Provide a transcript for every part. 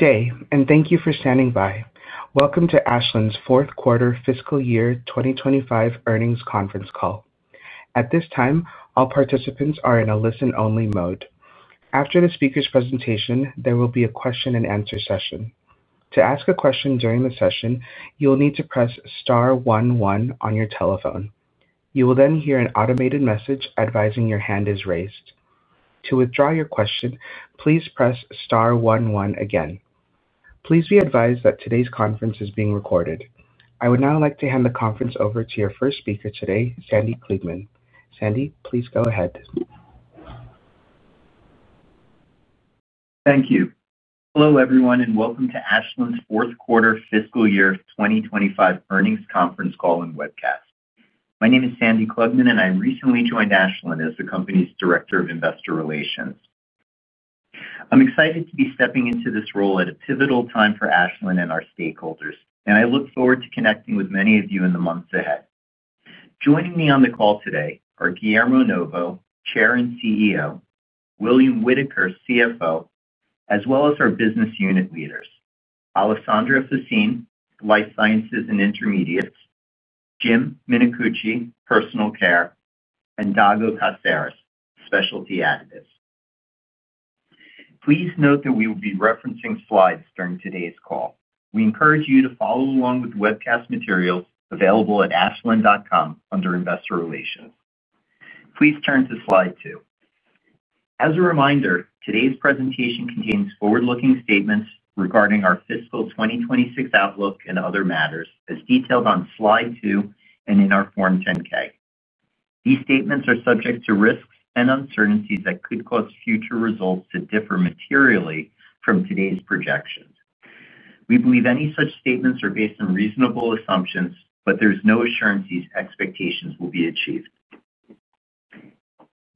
Good day, and thank you for standing by. Welcome to Ashland's Fourth Quarter Fiscal Year 2025 earnings conference call. At this time, all participants are in a listen-only mode. After the speaker's presentation, there will be a question-and-answer session. To ask a question during the session, you will need to press star one one on your telephone. You will then hear an automated message advising your hand is raised. To withdraw your question, please press star one one again. Please be advised that today's conference is being recorded. I would now like to hand the conference over to your first speaker today, Sandy Klugman. Sandy, please go ahead. Thank you. Hello, everyone, and welcome to Ashland's Fourth Quarter Fiscal Year 2025 earnings conference call and webcast. My name is Sandy Klugman, and I recently joined Ashland as the company's Director of Investor Relations. I'm excited to be stepping into this role at a pivotal time for Ashland and our stakeholders, and I look forward to connecting with many of you in the months ahead. Joining me on the call today are Guillermo Novo, Chair and CEO; William Whitaker, CFO; as well as our business unit leaders, Alessandra Faccin, Life Sciences and Intermediates; Jim Minicucci, Personal Care; and Dago Caceres, Specialty Additives. Please note that we will be referencing slides during today's call. We encourage you to follow along with webcast materials available at ashland.com under investor relations. Please turn to slide two. As a reminder, today's presentation contains forward-looking statements regarding our fiscal 2026 outlook and other matters, as detailed on slide two and in our Form 10-K. These statements are subject to risks and uncertainties that could cause future results to differ materially from today's projections. We believe any such statements are based on reasonable assumptions, but there's no assurances expectations will be achieved.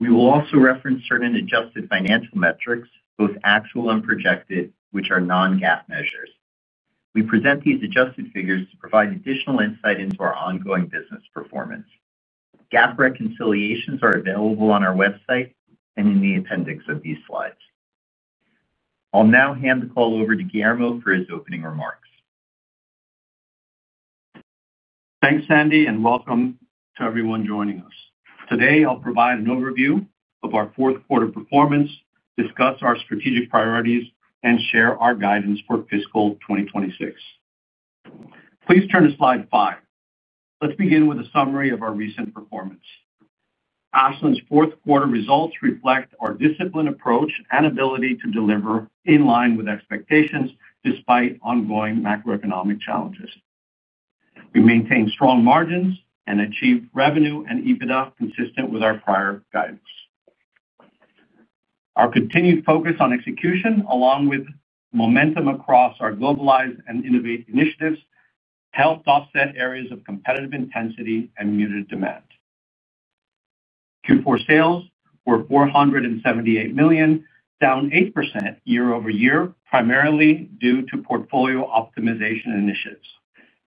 We will also reference certain adjusted financial metrics, both actual and projected, which are non-GAAP measures. We present these adjusted figures to provide additional insight into our ongoing business performance. GAAP reconciliations are available on our website and in the appendix of these slides. I'll now hand the call over to Guillermo for his opening remarks. Thanks, Sandy, and welcome to everyone joining us. Today, I'll provide an overview of our fourth quarter performance, discuss our strategic priorities, and share our guidance for fiscal 2026. Please turn to slide five. Let's begin with a summary of our recent performance. Ashland's fourth quarter results reflect our disciplined approach and ability to deliver in line with expectations despite ongoing macroeconomic challenges. We maintain strong margins and achieve revenue and EBITDA consistent with our prior guidance. Our continued focus on execution, along with momentum across our globalize and innovate initiatives, helped offset areas of competitive intensity and muted demand. Q4 sales were $478 million, down 8% year-over-year, primarily due to portfolio optimization initiatives.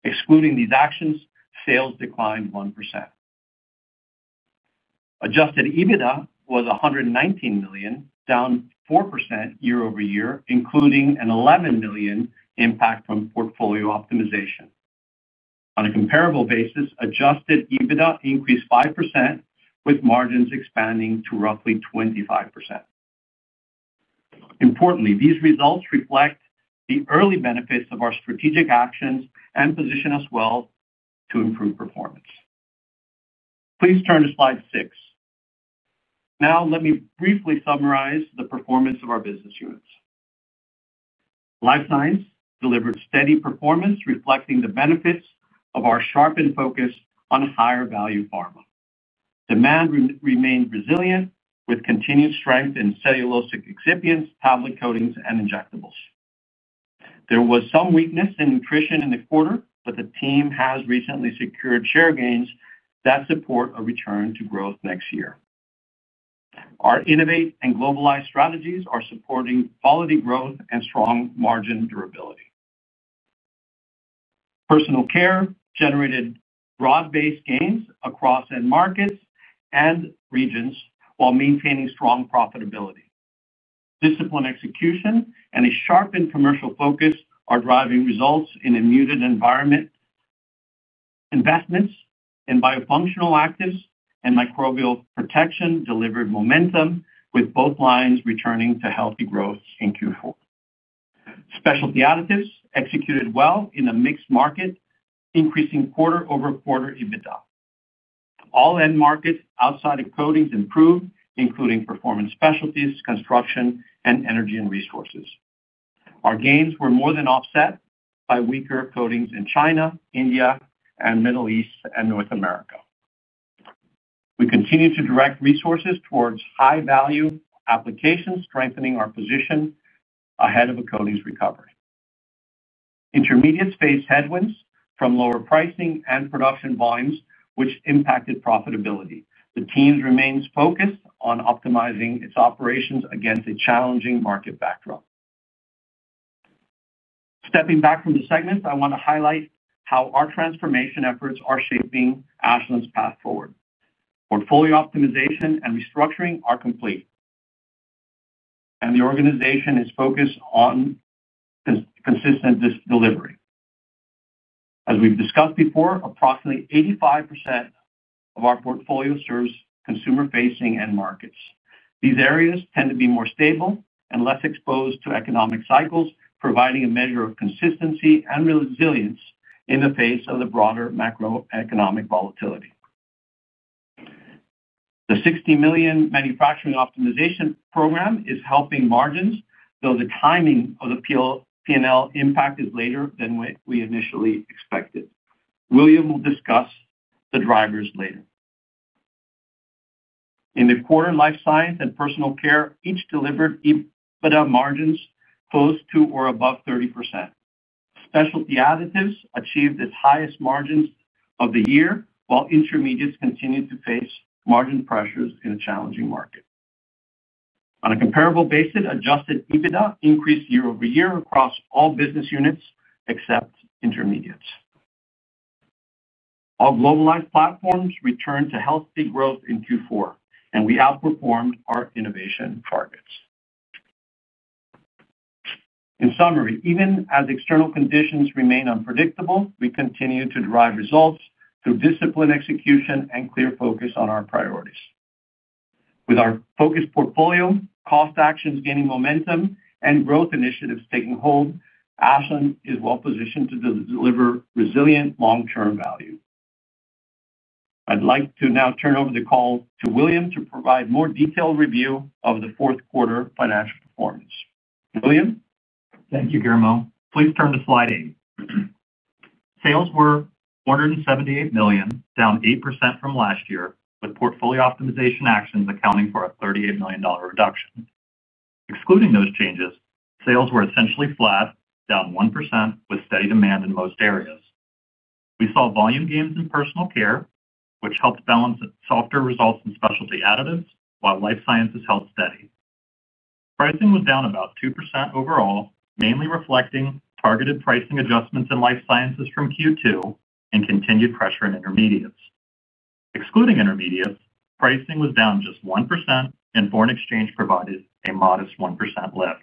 Excluding these actions, sales declined 1%. Adjusted EBITDA was $119 million, down 4% year-over-year, including an $11 million impact from portfolio optimization. On a comparable basis, Adjusted EBITDA increased 5%, with margins expanding to roughly 25%. Importantly, these results reflect the early benefits of our strategic actions and position us well to improve performance. Please turn to slide six. Now, let me briefly summarize the performance of our business units. Life Sciences delivered steady performance, reflecting the benefits of our sharpened focus on higher value pharma. Demand remained resilient, with continued strength in cellulosic excipients, tablet coatings, and injectables. There was some weakness in nutrition in the quarter, but the team has recently secured share gains that support a return to growth next year. Our innovate and globalize strategies are supporting quality growth and strong margin durability. Personal Care generated broad-based gains across end markets and regions while maintaining strong profitability. Disciplined execution and a sharpened commercial focus are driving results in a muted environment. Investments in biofunctional actives and microbial protection delivered momentum, with both lines returning to healthy growth in Q4. Specialty Additives executed well in a mixed market, increasing quarter-over-quarter EBITDA. All end markets outside of coatings improved, including performance specialties, construction, and energy and resources. Our gains were more than offset by weaker coatings in China, India, and the Middle East and North America. We continue to direct resources towards high-value applications, strengthening our position ahead of a coatings recovery. Intermediates faced headwinds from lower pricing and production volumes, which impacted profitability. The team remains focused on optimizing its operations against a challenging market backdrop. Stepping back from the segments, I want to highlight how our transformation efforts are shaping Ashland's path forward. Portfolio optimization and restructuring are complete, and the organization is focused on consistent delivery. As we've discussed before, approximately 85% of our portfolio serves consumer-facing end markets. These areas tend to be more stable and less exposed to economic cycles, providing a measure of consistency and resilience in the face of the broader macroeconomic volatility. The $60 million Manufacturing Optimization Program is helping margins, though the timing of the P&L impact is later than we initially expected. William will discuss the drivers later. In the quarter, Life Sciences and Personal Care each delivered EBITDA margins close to or above 30%. Specialty Additives achieved its highest margins of the year, while Intermediates continued to face margin pressures in a challenging market. On a comparable basis, Adjusted EBITDA increased year-over-year across all business units except Intermediates. All globalized platforms returned to healthy growth in Q4, and we outperformed our innovation targets. In summary, even as external conditions remain unpredictable, we continue to drive results through disciplined execution and clear focus on our priorities. With our focused portfolio, cost actions gaining momentum, and growth initiatives taking hold, Ashland is well-positioned to deliver resilient long-term value. I'd like to now turn over the call to William to provide more detailed review of the fourth quarter financial performance. William? Thank you, Guillermo. Please turn to slide eight. Sales were $478 million, down 8% from last year, with portfolio optimization actions accounting for a $38 million reduction. Excluding those changes, sales were essentially flat, down 1%, with steady demand in most areas. We saw volume gains in Personal Care, which helped balance softer results in Specialty Additives, while Life Sciences held steady. Pricing was down about 2% overall, mainly reflecting targeted pricing adjustments in Life Sciences from Q2 and continued pressure in Intermediates. Excluding Intermediates, pricing was down just 1%, and foreign exchange provided a modest 1% lift.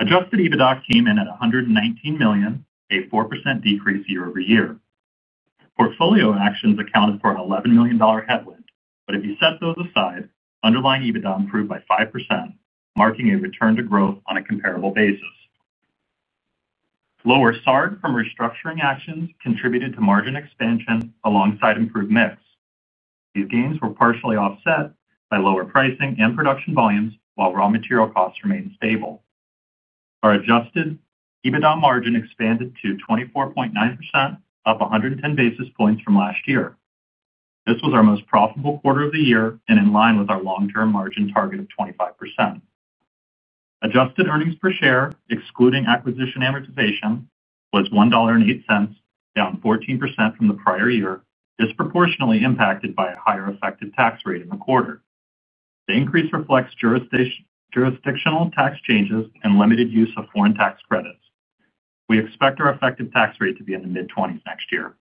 Adjusted EBITDA came in at $119 million, a 4% decrease year-over-year. Portfolio actions accounted for an $11 million headwind, but if you set those aside, underlying EBITDA improved by 5%, marking a return to growth on a comparable basis. Lower SAR&D from restructuring actions contributed to margin expansion alongside improved mix. These gains were partially offset by lower pricing and production volumes, while raw material costs remained stable. Our Adjusted EBITDA margin expanded to 24.9%, up 110 basis points from last year. This was our most profitable quarter of the year and in line with our long-term margin target of 25%. Adjusted earnings per share, excluding acquisition amortization, was $1.08, down 14% from the prior year, disproportionately impacted by a higher effective tax rate in the quarter. The increase reflects jurisdictional tax changes and limited use of foreign tax credits. We expect our effective tax rate to be in the mid-20s next year.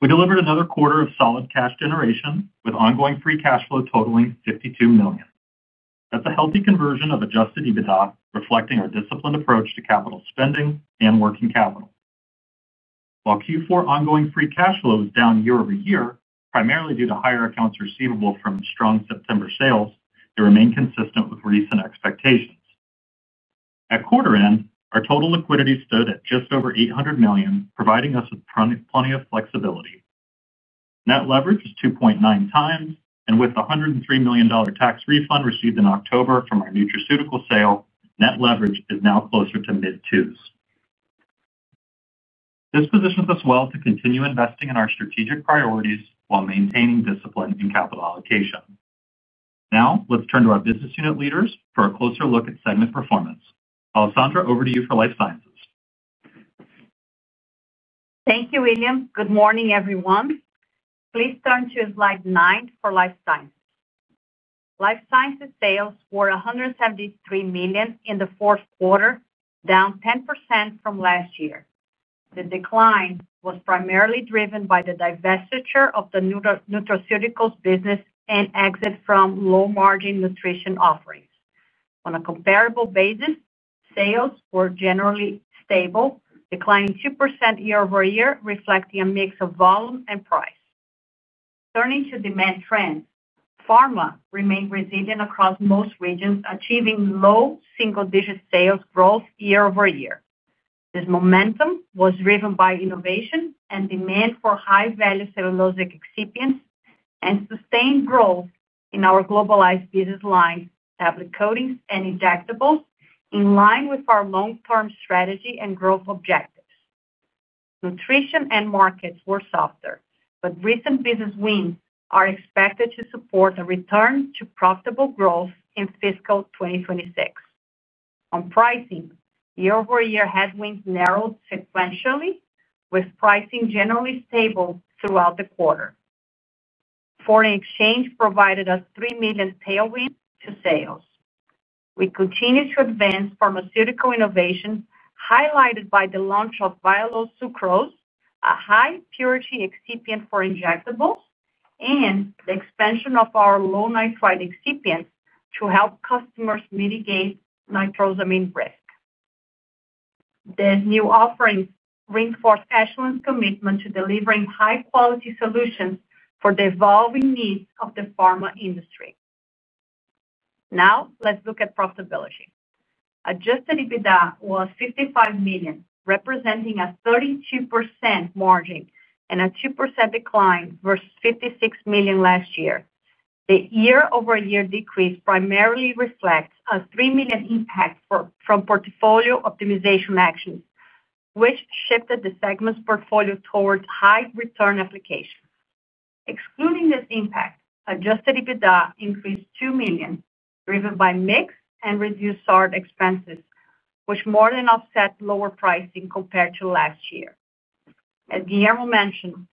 We delivered another quarter of solid cash generation with ongoing free cash flow totaling $52 million. That's a healthy conversion of Adjusted EBITDA, reflecting our disciplined approach to capital spending and working capital. While Q4 ongoing free cash flow was down year-over-year, primarily due to higher accounts receivable from strong September sales, they remain consistent with recent expectations. At quarter end, our total liquidity stood at just over $800 million, providing us with plenty of flexibility. Net leverage is 2.9 times, and with the $103 million tax refund received in October from our nutraceutical sale, net leverage is now closer to mid-twos. This positions us well to continue investing in our strategic priorities while maintaining discipline in capital allocation. Now, let's turn to our business unit leaders for a closer look at segment performance. Alessandra, over to you for Life Sciences. Thank you, William. Good morning, everyone. Please turn to slide nine for Life Sciences. Life Sciences sales were $173 million in the fourth quarter, down 10% from last year. The decline was primarily driven by the divestiture of the nutraceuticals business and exit from low-margin nutrition offerings. On a comparable basis, sales were generally stable, declining 2% year-over-year, reflecting a mix of volume and price. Turning to demand trends, pharma remained resilient across most regions, achieving low single-digit sales growth year-over-year. This momentum was driven by innovation and demand for high-value cellulosic excipients and sustained growth in our globalized business lines, tablet coatings and injectables, in line with our long-term strategy and growth objectives. Nutrition end markets were softer, but recent business wins are expected to support a return to profitable growth in fiscal 2026. On pricing, year-over-year headwinds narrowed sequentially, with pricing generally stable throughout the quarter. Foreign exchange provided us $3 million tailwinds to sales. We continued to advance pharmaceutical innovation, highlighted by the launch of Vialo Sucrose, a high-purity excipient for injectables, and the expansion of our low-nitrite excipients to help customers mitigate nitrosamine risk. These new offerings reinforce Ashland's commitment to delivering high-quality solutions for the evolving needs of the pharma industry. Now, let's look at profitability. Adjusted EBITDA was $55 million, representing a 32% margin and a 2% decline versus $56 million last year. The year-over-year decrease primarily reflects a $3 million impact from portfolio optimization actions, which shifted the segment's portfolio towards high-return applications. Excluding this impact, Adjusted EBITDA increased $2 million, driven by mix and reduced SAR&D expenses, which more than offset lower pricing compared to last year. As Guillermo mentioned,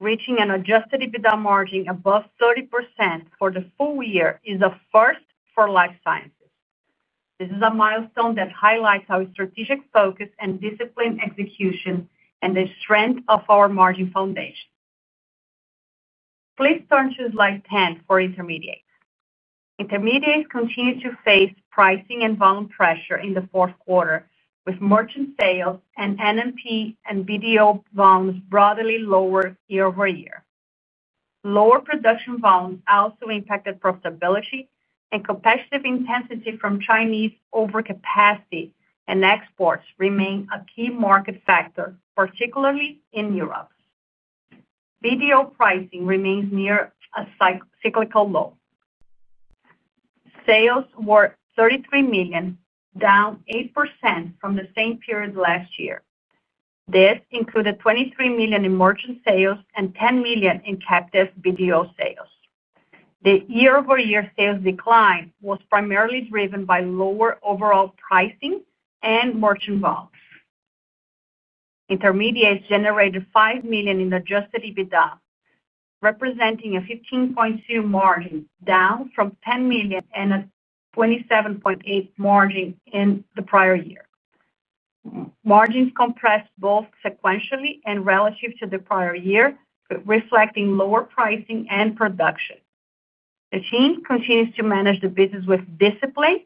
reaching an Adjusted EBITDA margin above 30% for the full year is a first for Life Sciences. This is a milestone that highlights our strategic focus and disciplined execution and the strength of our margin foundation. Please turn to slide 10 for Intermediates. Intermediates continued to face pricing and volume pressure in the fourth quarter, with merchant sales and NMP and BDO volumes broadly lower year-over-year. Lower production volumes also impacted profitability, and competitive intensity from Chinese overcapacity and exports remained a key market factor, particularly in Europe. BDO pricing remains near a cyclical low. Sales were $33 million, down 8% from the same period last year. This included $23 million in merchant sales and $10 million in captive BDO sales. The year-over-year sales decline was primarily driven by lower overall pricing and merchant volumes. Intermediates generated $5 million in Adjusted EBITDA, representing a 15.2% margin, down from $10 million and a 27.8% margin in the prior year. Margins compressed both sequentially and relative to the prior year, reflecting lower pricing and production. The team continues to manage the business with discipline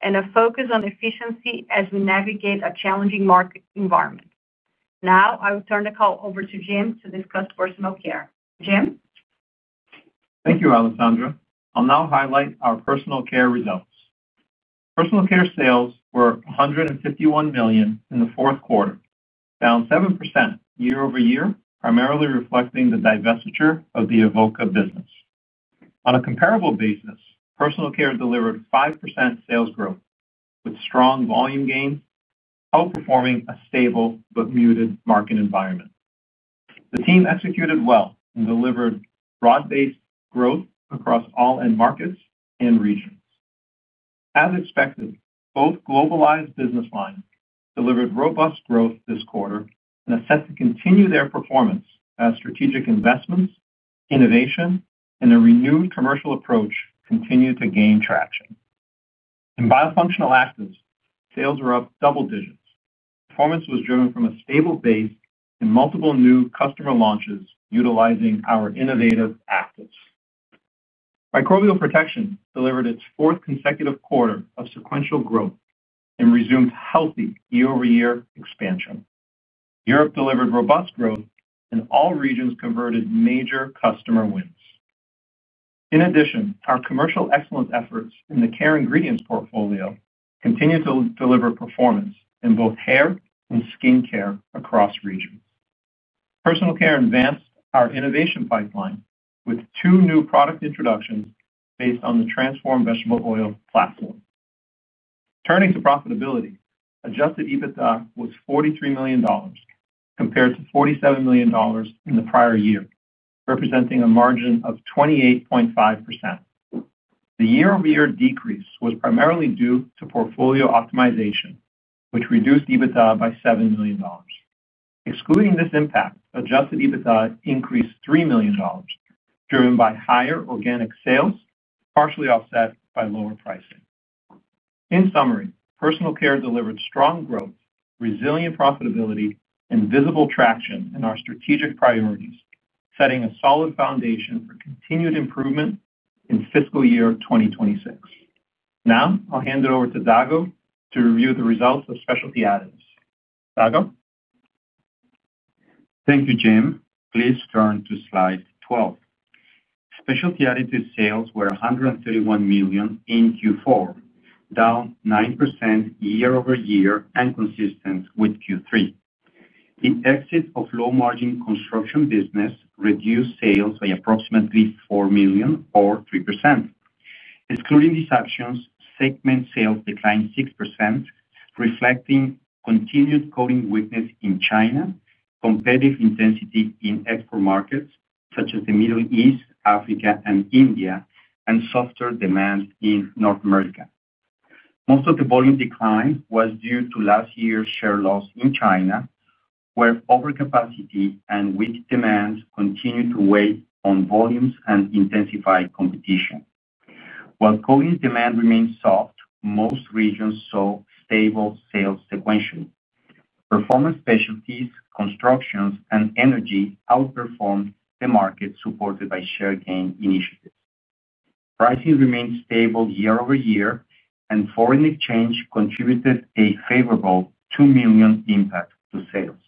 and a focus on efficiency as we navigate a challenging market environment. Now, I will turn the call over to Jim to discuss Personal Care. Jim? Thank you, Alessandra. I'll now highlight our Personal Care results. Personal Care sales were $151 million in the fourth quarter, down 7% year-over-year, primarily reflecting the divestiture of the Avoca business. On a comparable basis, Personal Care delivered 5% sales growth with strong volume gains, outperforming a stable but muted market environment. The team executed well and delivered broad-based growth across all end markets and regions. As expected, both globalized business lines delivered robust growth this quarter and are set to continue their performance as strategic investments, innovation, and a renewed commercial approach continue to gain traction. In biofunctional actives, sales were up double digits. Performance was driven from a stable base and multiple new customer launches utilizing our innovative actives. Microbial protection delivered its fourth consecutive quarter of sequential growth and resumed healthy year-over-year expansion. Europe delivered robust growth, and all regions converted major customer wins. In addition, our commercial excellence efforts in the care ingredients portfolio continue to deliver performance in both hair and skin care across regions. Personal Care advanced our innovation pipeline with two new product introductions based on the transformed vegetable oil platform. Turning to profitability, Adjusted EBITDA was $43 million, compared to $47 million in the prior year, representing a margin of 28.5%. The year-over-year decrease was primarily due to portfolio optimization, which reduced EBITDA by $7 million. Excluding this impact, Adjusted EBITDA increased $3 million, driven by higher organic sales, partially offset by lower pricing. In summary, Personal Care delivered strong growth, resilient profitability, and visible traction in our strategic priorities, setting a solid foundation for continued improvement in fiscal year 2026. Now, I'll hand it over to Dago to review the results of Specialty Additives. Dago. Thank you, Jim. Please turn to slide 12. Specialty Additives sales were $131 million in Q4, down 9% year-over-year and consistent with Q3. The exit of low-margin construction business reduced sales by approximately $4 million or 3%. Excluding these actions, segment sales declined 6%, reflecting continued coatings weakness in China, competitive intensity in export markets such as the Middle East, Africa, and India, and softer demand in North America. Most of the volume decline was due to last year's share loss in China, where overcapacity and weak demand continued to weigh on volumes and intensify competition. While coatings demand remained soft, most regions saw stable sales sequentially. Performance Specialties, Construction, and Energy outperformed the market supported by share gain initiatives. Pricing remained stable year-over-year, and foreign exchange contributed a favorable $2 million impact to sales.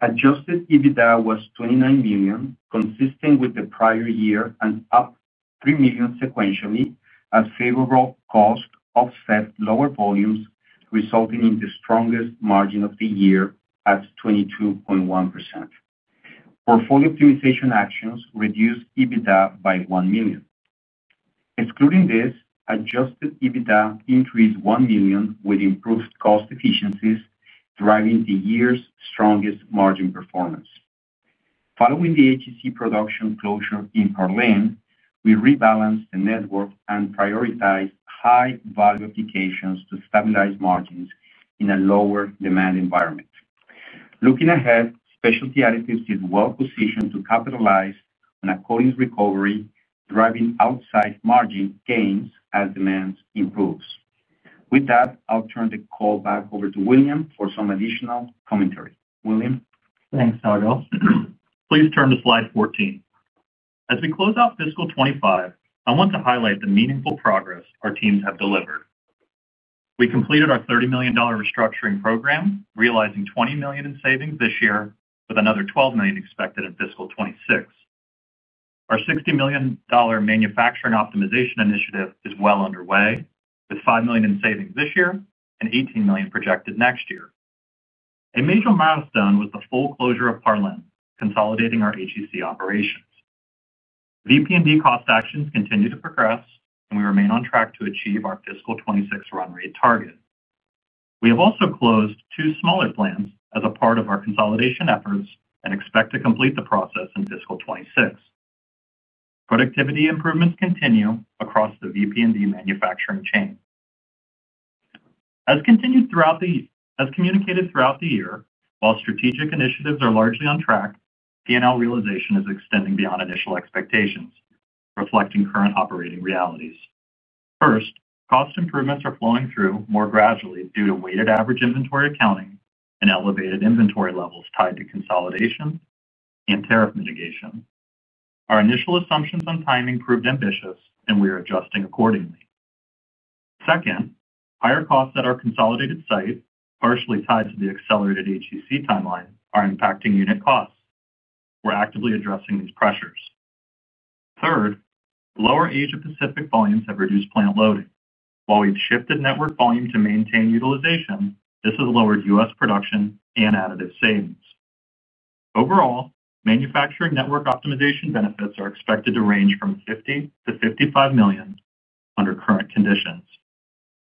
Adjusted EBITDA was $29 million, consistent with the prior year, and up $3 million sequentially as favorable costs offset lower volumes, resulting in the strongest margin of the year at 22.1%. Portfolio optimization actions reduced EBITDA by $1 million. Excluding this, Adjusted EBITDA increased $1 million with improved cost efficiencies, driving the year's strongest margin performance. Following the HEC production closure in Harlan, we rebalanced the network and prioritized high-value applications to stabilize margins in a lower demand environment. Looking ahead, Specialty Additives did well positioned to capitalize on a coatings recovery, driving outside margin gains as demand improves. With that, I'll turn the call back over to William for some additional commentary. William. Thanks, Dago. Please turn to slide 14. As we close out fiscal 2025, I want to highlight the meaningful progress our teams have delivered. We completed our $30 million restructuring program, realizing $20 million in savings this year, with another $12 million expected in fiscal 2026. Our $60 million manufacturing optimization initiative is well underway, with $5 million in savings this year and $18 million projected next year. A major milestone was the full closure of Harlan, consolidating our HEC operations. VP&D cost actions continue to progress, and we remain on track to achieve our fiscal 2026 run rate target. We have also closed two smaller plants as a part of our consolidation efforts and expect to complete the process in fiscal 2026. Productivity improvements continue across the VP&D manufacturing chain. As communicated throughout the year, while strategic initiatives are largely on track, P&L realization is extending beyond initial expectations, reflecting current operating realities. First, cost improvements are flowing through more gradually due to weighted average inventory accounting and elevated inventory levels tied to consolidation and tariff mitigation. Our initial assumptions on timing proved ambitious, and we are adjusting accordingly. Second, higher costs at our consolidated site, partially tied to the accelerated HEC timeline, are impacting unit costs. We're actively addressing these pressures. Third, lower Asia-Pacific volumes have reduced plant loading. While we've shifted network volume to maintain utilization, this has lowered U.S. production and additive savings. Overall, manufacturing network optimization benefits are expected to range from $50-$55 million under current conditions.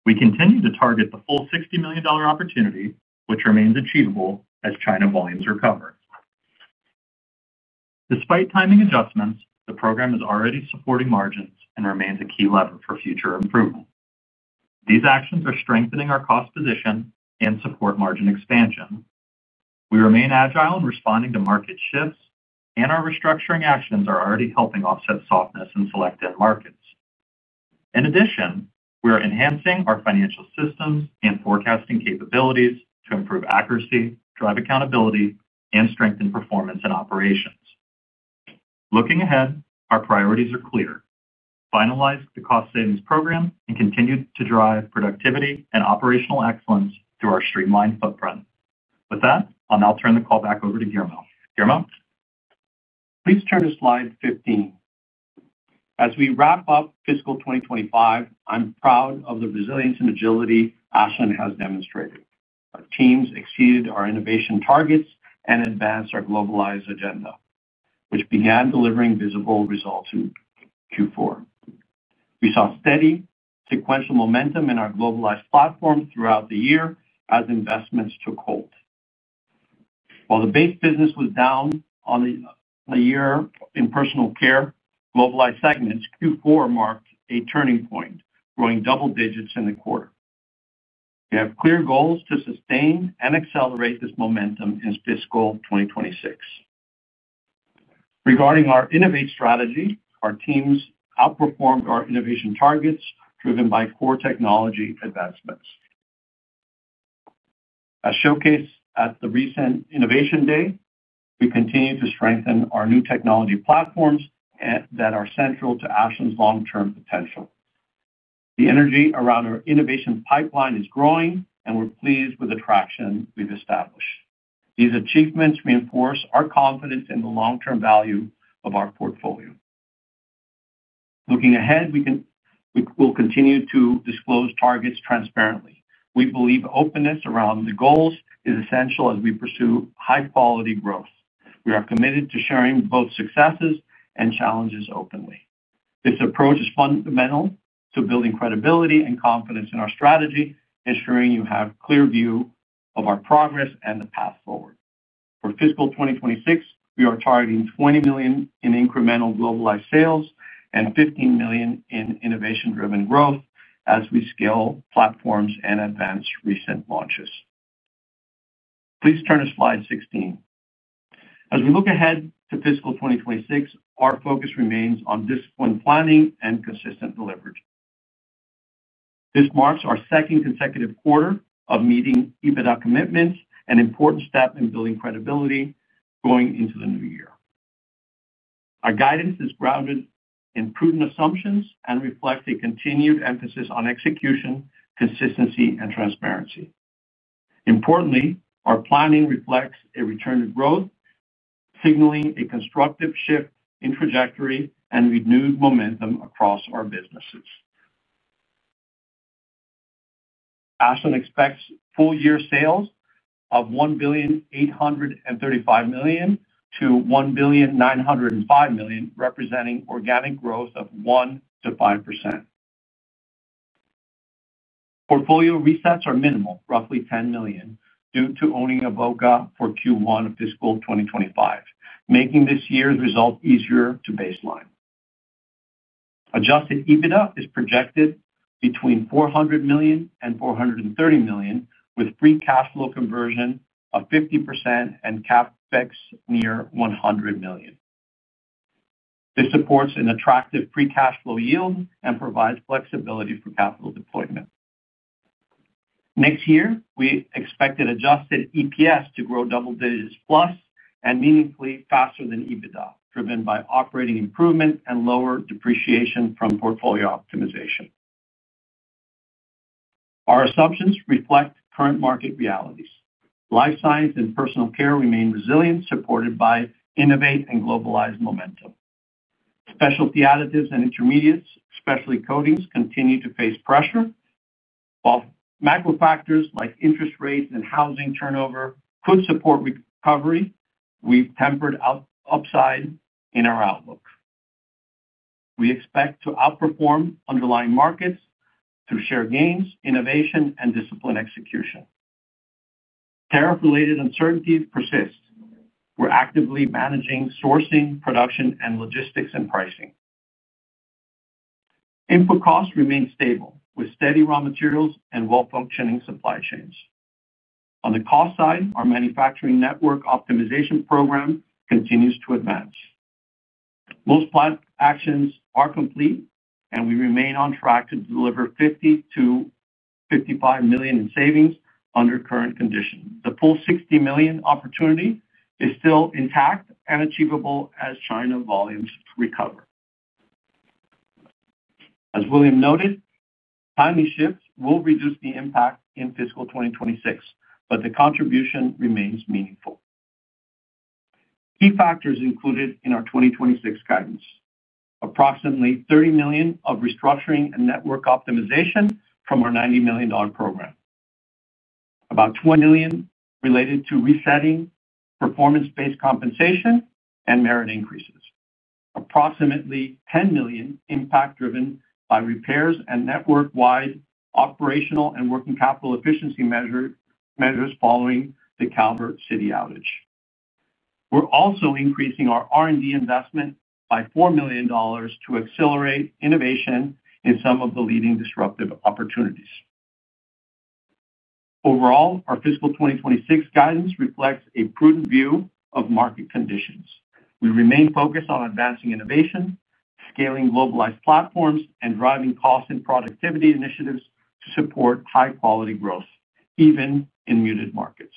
We continue to target the full $60 million opportunity, which remains achievable as China volumes recover. Despite timing adjustments, the program is already supporting margins and remains a key lever for future improvement. These actions are strengthening our cost position and support margin expansion. We remain agile in responding to market shifts, and our restructuring actions are already helping offset softness in select end markets. In addition, we are enhancing our financial systems and forecasting capabilities to improve accuracy, drive accountability, and strengthen performance and operations. Looking ahead, our priorities are clear: finalize the cost savings program and continue to drive productivity and operational excellence through our streamlined footprint. With that, I'll now turn the call back over to Guillermo. Please turn to slide 15. As we wrap up fiscal 2025, I'm proud of the resilience and agility Ashland has demonstrated. Our teams exceeded our innovation targets and advanced our globalized agenda, which began delivering visible results in Q4. We saw steady sequential momentum in our globalized platform throughout the year as investments took hold. While the base business was down on the year in Personal Care, globalized segments Q4 marked a turning point, growing double digits in the quarter. We have clear goals to sustain and accelerate this momentum in fiscal 2026. Regarding our innovate strategy, our teams outperformed our innovation targets driven by core technology advancements. As showcased at the recent Innovation Day, we continue to strengthen our new technology platforms that are central to Ashland's long-term potential. The energy around our innovation pipeline is growing, and we're pleased with the traction we've established. These achievements reinforce our confidence in the long-term value of our portfolio. Looking ahead, we will continue to disclose targets transparently. We believe openness around the goals is essential as we pursue high-quality growth. We are committed to sharing both successes and challenges openly. This approach is fundamental to building credibility and confidence in our strategy, ensuring you have a clear view of our progress and the path forward. For fiscal 2026, we are targeting $20 million in incremental globalized sales and $15 million in innovation-driven growth as we scale platforms and advance recent launches. Please turn to slide 16. As we look ahead to fiscal 2026, our focus remains on disciplined planning and consistent delivery. This marks our second consecutive quarter of meeting EBITDA commitments and important steps in building credibility going into the new year. Our guidance is grounded in prudent assumptions and reflects a continued emphasis on execution, consistency, and transparency. Importantly, our planning reflects a return to growth, signaling a constructive shift in trajectory and renewed momentum across our businesses. Ashland expects full year sales of $1,835 million-$1,905 million, representing organic growth of 1%-5%. Portfolio resets are minimal, roughly $10 million, due to owning Avoca for Q1 of fiscal 2025, making this year's result easier to baseline. Adjusted EBITDA is projected between $400 million-$430 million, with free cash flow conversion of 50% and CapEx near $100 million. This supports an attractive free cash flow yield and provides flexibility for capital deployment. Next year, we expect an adjusted EPS to grow double digits plus and meaningfully faster than EBITDA, driven by operating improvement and lower depreciation from portfolio optimization. Our assumptions reflect current market realities. Life science and personal care remain resilient, supported by innovate and globalized momentum. Specialty additives and intermediates, especially coatings, continue to face pressure. While macro factors like interest rates and housing turnover could support recovery, we've tempered upside in our outlook. We expect to outperform underlying markets through share gains, innovation, and discipline execution. Tariff-related uncertainties persist. We're actively managing sourcing, production, and logistics and pricing. Input costs remain stable, with steady raw materials and well-functioning supply chains. On the cost side, our manufacturing network optimization program continues to advance. Most planned actions are complete, and we remain on track to deliver $50-$55 million in savings under current conditions. The full $60 million opportunity is still intact and achievable as China volumes recover. As William noted, timely shifts will reduce the impact in fiscal 2026, but the contribution remains meaningful. Key factors included in our 2026 guidance: approximately $30 million of restructuring and network optimization from our $90 million program. About $20 million related to resetting, performance-based compensation, and merit increases. Approximately $10 million impact-driven by repairs and network-wide operational and working capital efficiency measures following the Calvert City outage. We're also increasing our R&D investment by $4 million to accelerate innovation in some of the leading disruptive opportunities. Overall, our fiscal 2026 guidance reflects a prudent view of market conditions. We remain focused on advancing innovation, scaling globalized platforms, and driving cost and productivity initiatives to support high-quality growth, even in muted markets.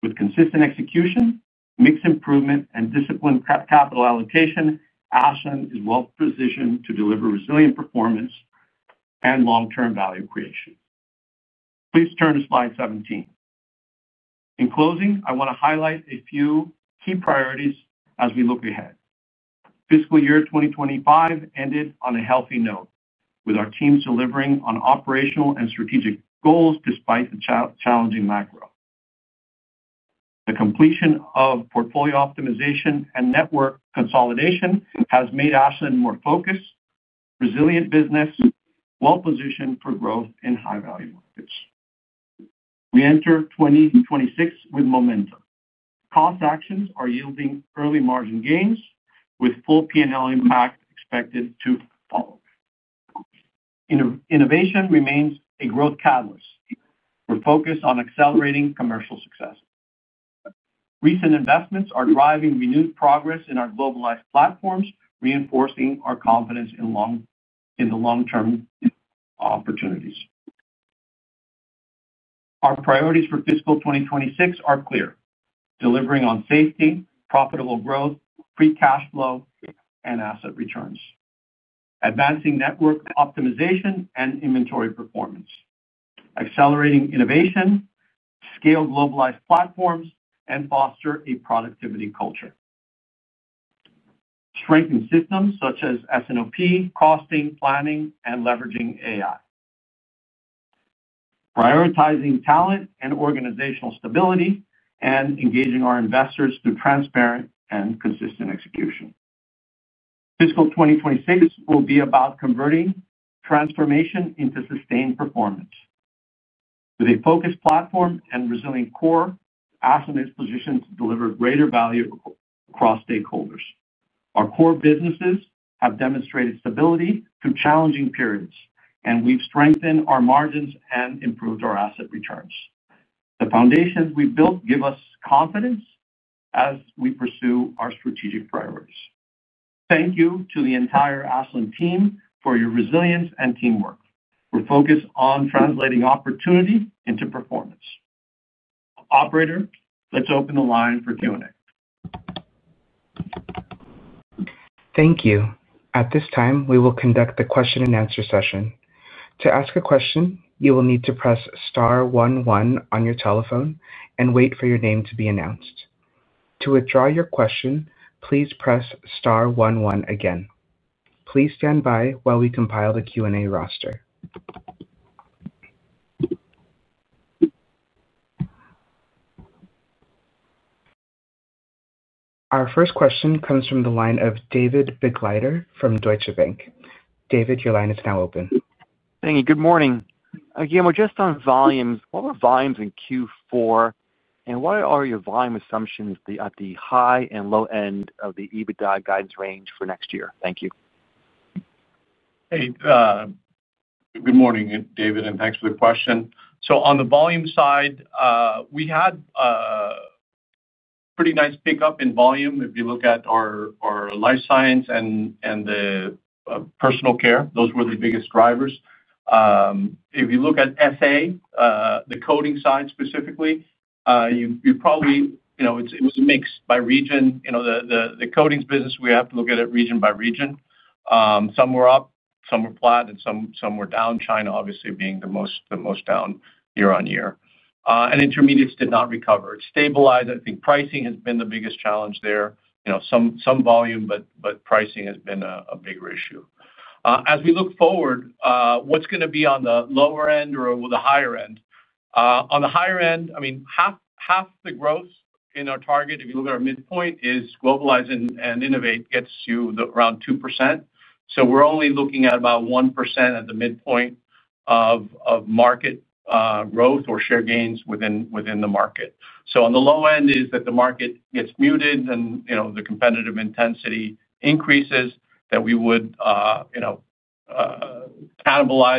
With consistent execution, mixed improvement, and disciplined capital allocation, Ashland is well-positioned to deliver resilient performance and long-term value creation. Please turn to slide 17. In closing, I want to highlight a few key priorities as we look ahead. Fiscal year 2025 ended on a healthy note, with our teams delivering on operational and strategic goals despite the challenging macro. The completion of portfolio optimization and network consolidation has made Ashland more focused, resilient business. Positioned for growth in high-value markets. We enter 2026 with momentum. Cost actions are yielding early margin gains, with full P&L impact expected to follow. Innovation remains a growth catalyst. We are focused on accelerating commercial success. Recent investments are driving renewed progress in our globalized platforms, reinforcing our confidence in the long term. Opportunities. Our priorities for fiscal 2026 are clear: delivering on safety, profitable growth, free cash flow, and asset returns. Advancing network optimization and inventory performance. Accelerating innovation, scaling globalized platforms, and fostering a productivity culture. Strengthening systems such as S&OP, costing, planning, and leveraging AI. Prioritizing talent and organizational stability, and engaging our investors through transparent and consistent execution. Fiscal 2026 will be about converting transformation into sustained performance. With a focused platform and resilient core, Ashland is positioned to deliver greater value across stakeholders. Our core businesses have demonstrated stability through challenging periods, and we've strengthened our margins and improved our asset returns. The foundations we've built give us confidence as we pursue our strategic priorities. Thank you to the entire Ashland team for your resilience and teamwork. We're focused on translating opportunity into performance. Operator, let's open the line for Q&A. Thank you. At this time, we will conduct the question-and-answer session. To ask a question, you will need to press Star 11 on your telephone and wait for your name to be announced. To withdraw your question, please press Star 11 again. Please stand by while we compile the Q&A roster. Our first question comes from the line of David Begleiter from Deutsche Bank. David, your line is now open. Thank you. Good morning. Guillermo, just on volumes, what were volumes in Q4, and what are your volume assumptions at the high and low end of the EBITDA guidance range for next year? Thank you. Hey. Good morning, David, and thanks for the question. On the volume side, we had a pretty nice pickup in volume if you look at our life science and the personal care. Those were the biggest drivers. If you look at SA, the coating side specifically, it was a mix by region. The coating business, we have to look at it region by region. Some were up, some were flat, and some were down, China obviously being the most down year on year. Intermediates did not recover. It stabilized. I think pricing has been the biggest challenge there. Some volume, but pricing has been a bigger issue. As we look forward, what's going to be on the lower end or the higher end? On the higher end, I mean, half the growth in our target, if you look at our midpoint, is globalize and innovate gets you around 2%. So we're only looking at about 1% at the midpoint of market growth or share gains within the market. On the low end is that the market gets muted and the competitive intensity increases, that we would cannibalize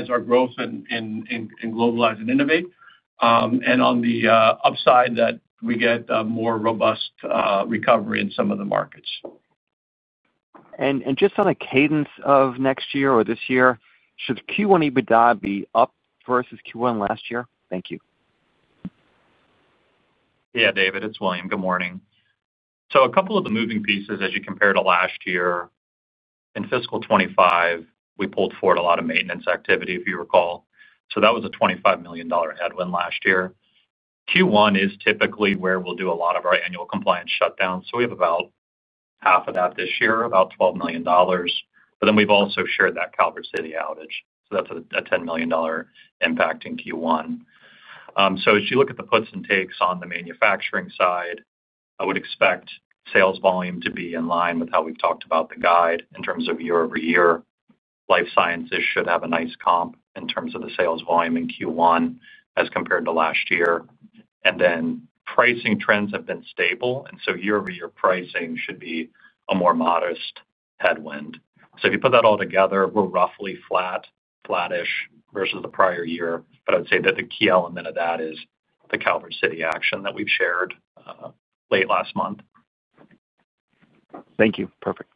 our growth and globalize and innovate. On the upside, that we get more robust recovery in some of the markets. Just on the cadence of next year or this year, should Q1 EBITDA be up versus Q1 last year? Thank you. Yeah, David, it's William. Good morning. A couple of the moving pieces, as you compare to last year, in fiscal 2025, we pulled forward a lot of maintenance activity, if you recall. That was a $25 million headwind last year. Q1 is typically where we'll do a lot of our annual compliance shutdown. We have about half of that this year, about $12 million. We have also shared that Calvert City outage. That is a $10 million impact in Q1. As you look at the puts and takes on the manufacturing side, I would expect sales volume to be in line with how we've talked about the guide in terms of year-over-year. Life Sciences should have a nice comp in terms of the sales volume in Q1 as compared to last year. Pricing trends have been stable. Year-over-year pricing should be a more modest headwind. If you put that all together, we're roughly flat, flattish versus the prior year. I would say that the key element of that is the Calvert City action that we've shared late last month. Thank you. Perfect.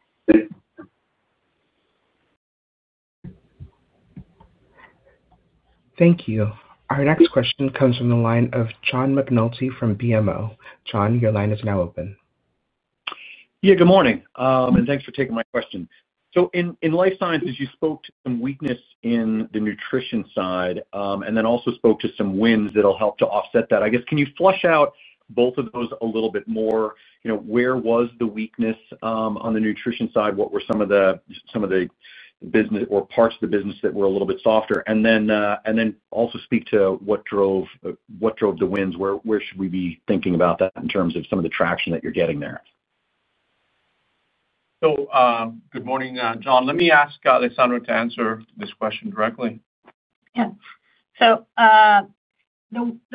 Thank you. Our next question comes from the line of John McNulty from BMO. John, your line is now open. Yeah, good morning. Thanks for taking my question. In Life Sciences, you spoke to some weakness in the nutrition side and then also spoke to some wins that'll help to offset that. I guess, can you flesh out both of those a little bit more? Where was the weakness on the nutrition side? What were some of the business or parts of the business that were a little bit softer? Also, speak to what drove the wins? Where should we be thinking about that in terms of some of the traction that you're getting there? Good morning, John. Let me ask Alessandra to answer this question directly. Yeah. The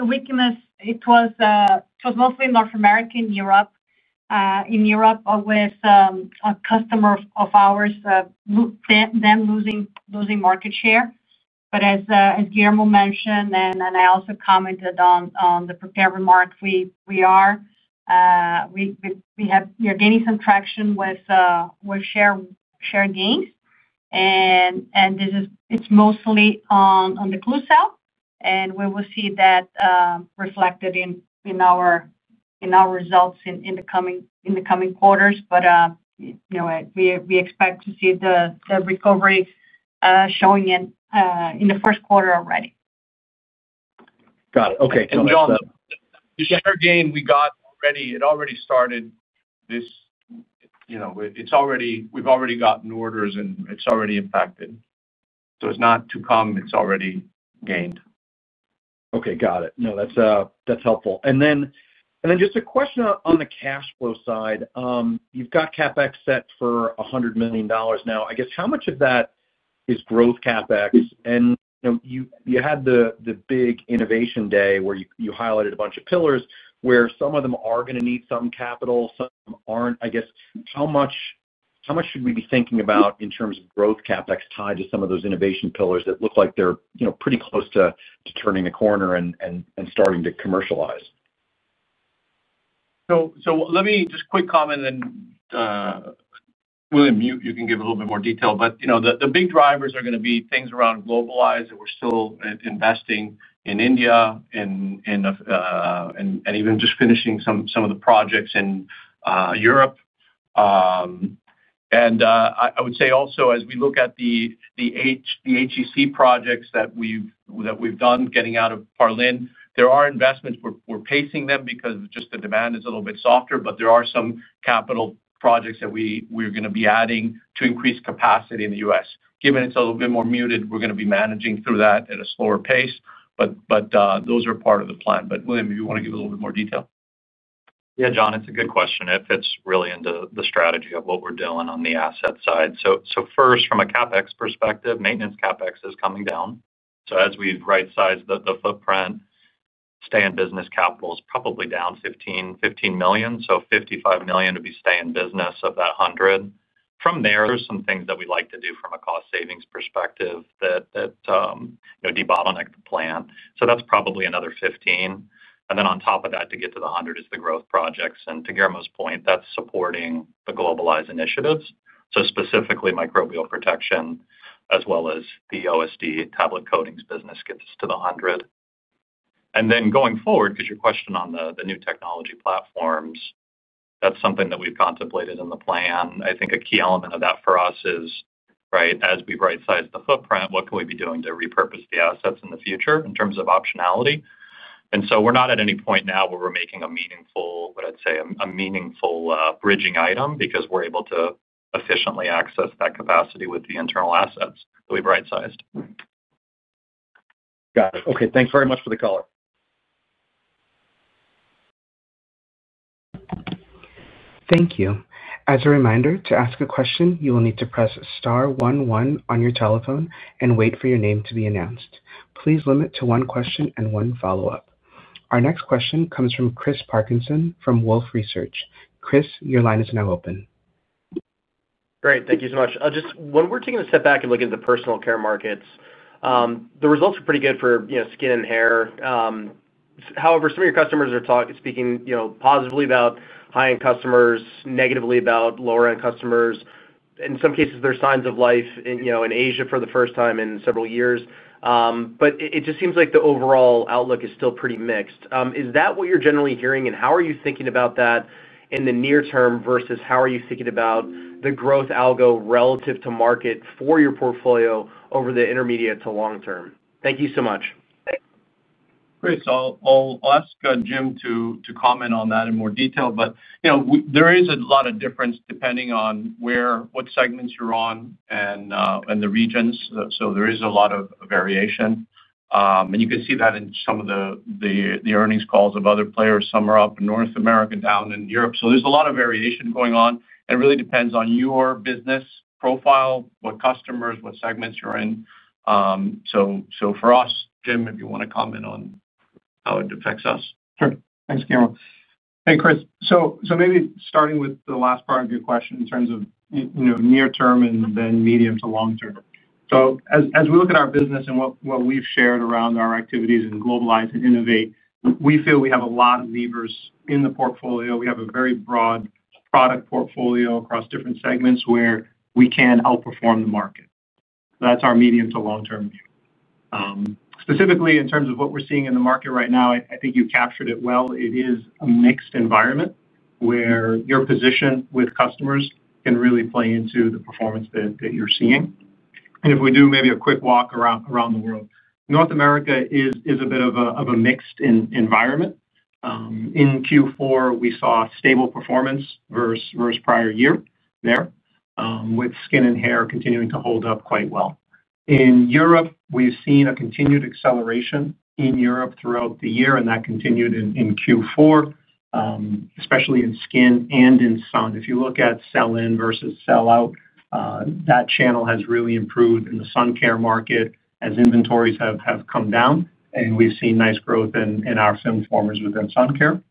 weakness, it was mostly North America and Europe. In Europe, always a customer of ours, them losing market share. As Guillermo mentioned, and I also commented on the prepared remarks, we are gaining some traction with share gains. This is mostly on the closeout, and we will see that reflected in our results in the coming quarters. We expect to see the recovery showing in the first quarter already. Got it. Okay. John, the share gain we got already, it already started. We've already gotten orders, and it's already impacted. It's not too common. It's already gained. Okay. Got it. No, that's helpful. Just a question on the cash flow side. You've got CapEx set for $100 million now. I guess, how much of that is growth CapEx? You had the big Innovation Day where you highlighted a bunch of pillars where some of them are going to need some capital, some are not. I guess, how much should we be thinking about in terms of growth CapEx tied to some of those innovation pillars that look like they are pretty close to turning the corner and starting to commercialize? Let me just quick comment, and then, William, you can give a little bit more detail. The big drivers are going to be things around globalized. We are still investing in India, and even just finishing some of the projects in Europe. I would say also, as we look at the. HEC projects that we've done getting out of Parlin, there are investments. We're pacing them because just the demand is a little bit softer, but there are some capital projects that we're going to be adding to increase capacity in the U.S. Given it's a little bit more muted, we're going to be managing through that at a slower pace. Those are part of the plan. William, if you want to give a little bit more detail. Yeah, John, it's a good question. It fits really into the strategy of what we're doing on the asset side. First, from a CapEx perspective, maintenance CapEx is coming down. As we right-size the footprint, stay-in-business capital is probably down $15 million. $55 million would be stay-in-business of that $100 million. From there, there's some things that we'd like to do from a cost-savings perspective that debottleneck the plan. That's probably another 15. On top of that, to get to the 100 is the growth projects. To Guillermo's point, that's supporting the globalized initiatives. Specifically, microbial protection as well as the OSD tablet coatings business gets us to the 100. Going forward, because your question on the new technology platforms, that's something that we've contemplated in the plan. I think a key element of that for us is, right, as we right-size the footprint, what can we be doing to repurpose the assets in the future in terms of optionality? We're not at any point now where we're making a meaningful, what I'd say, a meaningful bridging item because we're able to efficiently access that capacity with the internal assets that we've right-sized. Got it. Okay. Thanks very much for the call. Thank you. As a reminder, to ask a question, you will need to press Star 11 on your telephone and wait for your name to be announced. Please limit to one question and one follow-up. Our next question comes from Chris Parkinson from Wolfe Research. Chris, your line is now open. Great. Thank you so much. Just when we're taking a step back and looking at the personal care markets. The results are pretty good for skin and hair. However, some of your customers are speaking positively about high-end customers, negatively about lower-end customers. In some cases, there are signs of life in Asia for the first time in several years. It just seems like the overall outlook is still pretty mixed. Is that what you're generally hearing? How are you thinking about that in the near term versus how are you thinking about the growth algo relative to market for your portfolio over the intermediate to long term? Thank you so much. Great. I'll ask Jim to comment on that in more detail. There is a lot of difference depending on what segments you're on and the regions. There is a lot of variation. You can see that in some of the earnings calls of other players. Some are up in North America, down in Europe. There is a lot of variation going on. It really depends on your business profile, what customers, what segments you're in. For us, Jim, if you want to comment on how it affects us. Sure. Thanks, Guillermo. Hey, Chris. Maybe starting with the last part of your question in terms of. Near term and then medium to long term. As we look at our business and what we've shared around our activities and globalize and innovate, we feel we have a lot of levers in the portfolio. We have a very broad product portfolio across different segments where we can outperform the market. That's our medium to long-term view. Specifically, in terms of what we're seeing in the market right now, I think you captured it well. It is a mixed environment where your position with customers can really play into the performance that you're seeing. If we do maybe a quick walk around the world, North America is a bit of a mixed environment. In Q4, we saw stable performance versus prior year there with skin and hair continuing to hold up quite well. In Europe, we've seen a continued acceleration in Europe throughout the year, and that continued in Q4. Especially in skin and in sun. If you look at sell-in versus sell-out, that channel has really improved in the sun care market as inventories have come down. We've seen nice growth in our film formers within sun care.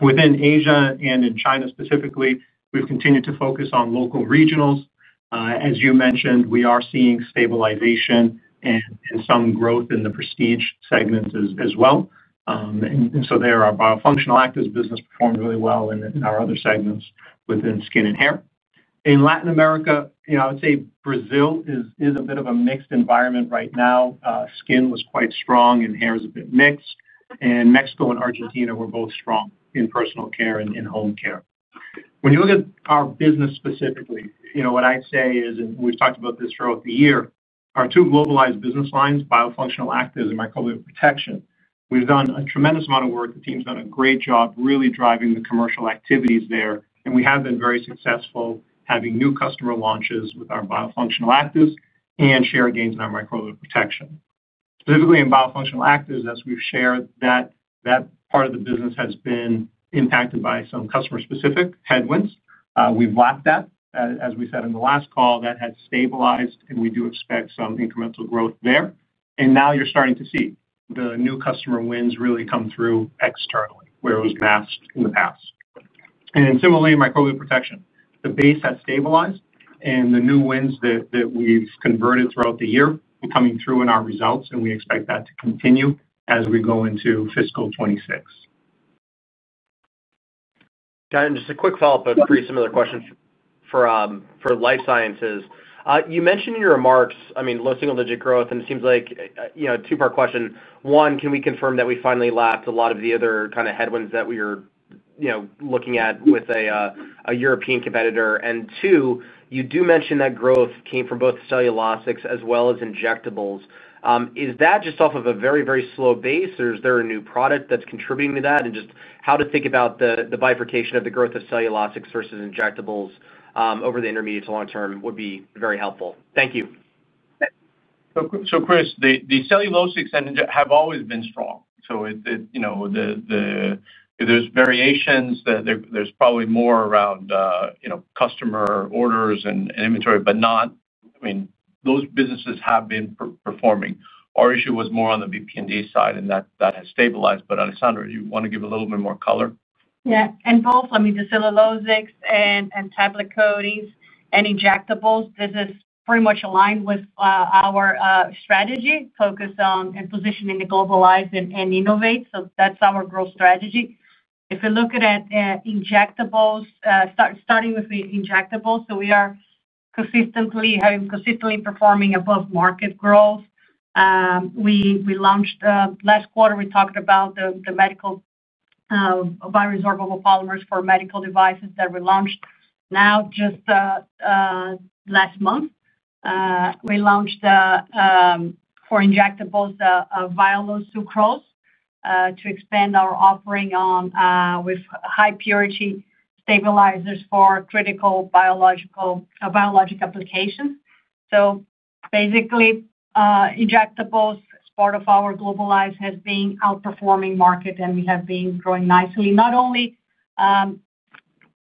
Within Asia and in China specifically, we've continued to focus on local regionals. As you mentioned, we are seeing stabilization and some growth in the prestige segments as well. Our biofunctional actives business performed really well in our other segments within skin and hair. In Latin America, I would say Brazil is a bit of a mixed environment right now. Skin was quite strong and hair is a bit mixed. Mexico and Argentina were both strong in personal care and home care. When you look at our business specifically, what I'd say is, and we've talked about this throughout the year, our two globalized business lines, biofunctional actives and microbial protection, we've done a tremendous amount of work. The team's done a great job really driving the commercial activities there. We have been very successful having new customer launches with our biofunctional actives and share gains in our microbial protection. Specifically in biofunctional actives, as we've shared, that part of the business has been impacted by some customer-specific headwinds. We've lapped that. As we said in the last call, that has stabilized, and we do expect some incremental growth there. Now you're starting to see the new customer wins really come through externally where it was masked in the past. Similarly, microbial protection, the base has stabilized. The new wins that we have converted throughout the year are coming through in our results, and we expect that to continue as we go into fiscal 2026. Got it. Just a quick follow-up, but a pretty similar question for Life Sciences. You mentioned in your remarks, I mean, low single-digit growth, and it seems like a two-part question. One, can we confirm that we finally lapped a lot of the other kind of headwinds that we are looking at with a European competitor? Two, you do mention that growth came from both cellulose as well as injectables. Is that just off of a very, very slow base, or is there a new product that is contributing to that? Just how to think about the bifurcation of the growth of cellulose versus injectables over the intermediate to long term would be very helpful. Thank you. Chris, the cellulose have always been strong. There are variations. There is probably more around customer orders and inventory, but not, I mean, those businesses have been performing. Our issue was more on the VP&D side, and that has stabilized. Alessandra, do you want to give a little bit more color? Yeah. Both, I mean, the cellulose and tablet coatings and injectables, this is pretty much aligned with our strategy, focus on positioning the globalized and innovate. That is our growth strategy. If you look at injectables, starting with injectables, we are consistently performing above market growth. We launched last quarter. We talked about the medical bioresorbable polymers for medical devices that we launched now just last month. We launched for injectables a Vialo Sucrose to expand our offering with high purity stabilizers for critical biologic applications. Basically, injectables, part of our globalize, has been outperforming market, and we have been growing nicely, not only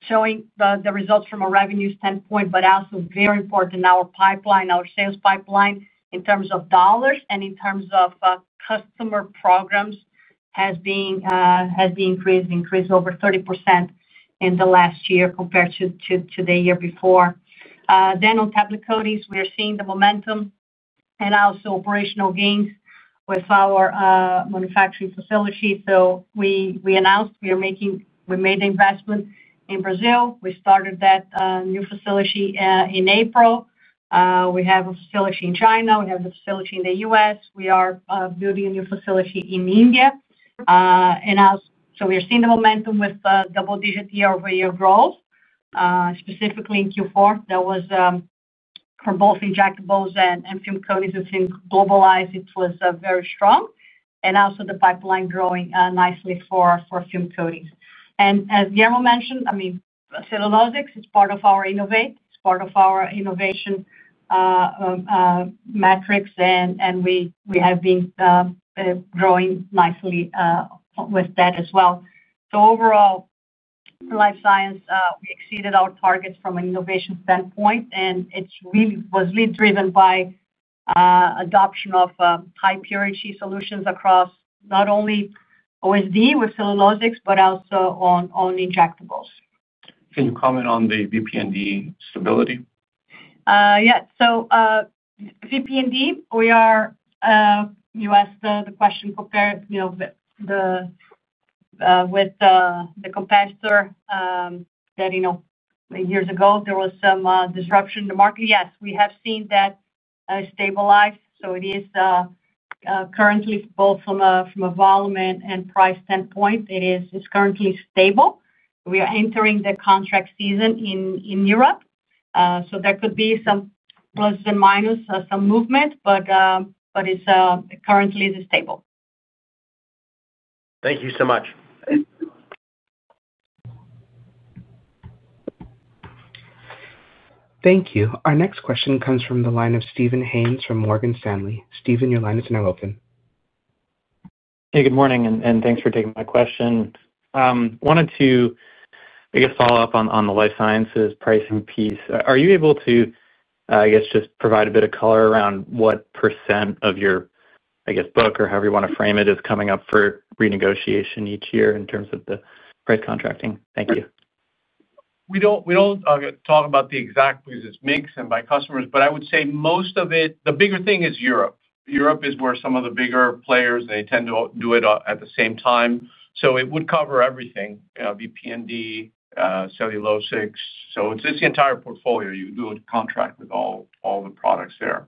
showing the results from a revenue standpoint, but also very important in our pipeline, our sales pipeline in terms of dollars and in terms of customer programs, has been increased, increased over 30% in the last year compared to the year before. On tablet coatings, we are seeing the momentum and also operational gains with our manufacturing facility. We announced we made the investment in Brazil. We started that new facility in April. We have a facility in China. We have the facility in the US. We are building a new facility in India. We are seeing the momentum with double-digit year-over-year growth. Specifically in Q4, that was for both injectables and film coatings. It seemed globalize was very strong. The pipeline is growing nicely for film coatings. As Guillermo mentioned, cellulose is part of our innovate, it is part of our innovation metrics, and we have been growing nicely with that as well. Overall, Life Sciences exceeded our targets from an innovation standpoint, and it was driven by adoption of high purity solutions across not only OSD with cellulosics, but also on injectables. Can you comment on the VP&D stability? Yeah. VP&D, you asked the question with the competitor, that years ago, there was some disruption in the market. Yes, we have seen that stabilize. It is currently, both from a volume and price standpoint, stable. We are entering the contract season in Europe, so there could be some plus and minus, some movement, but currently it is stable. Thank you so much. Thank you. Our next question comes from the line of Stephen Haynes from Morgan Stanley. Stephen, your line is now open. Hey, good morning, and thanks for taking my question. I wanted to, I guess, follow up on the Life Sciences pricing piece. Are you able to, I guess, just provide a bit of color around what % of your, I guess, book or however you want to frame it is coming up for renegotiation each year in terms of the price contracting? Thank you. We do not talk about the exact business mix and by customers, but I would say most of it, the bigger thing is Europe. Europe is where some of the bigger players, they tend to do it at the same time. So it would cover everything, VP&D, cellulosics. So it is the entire portfolio. You do a contract with all the products there.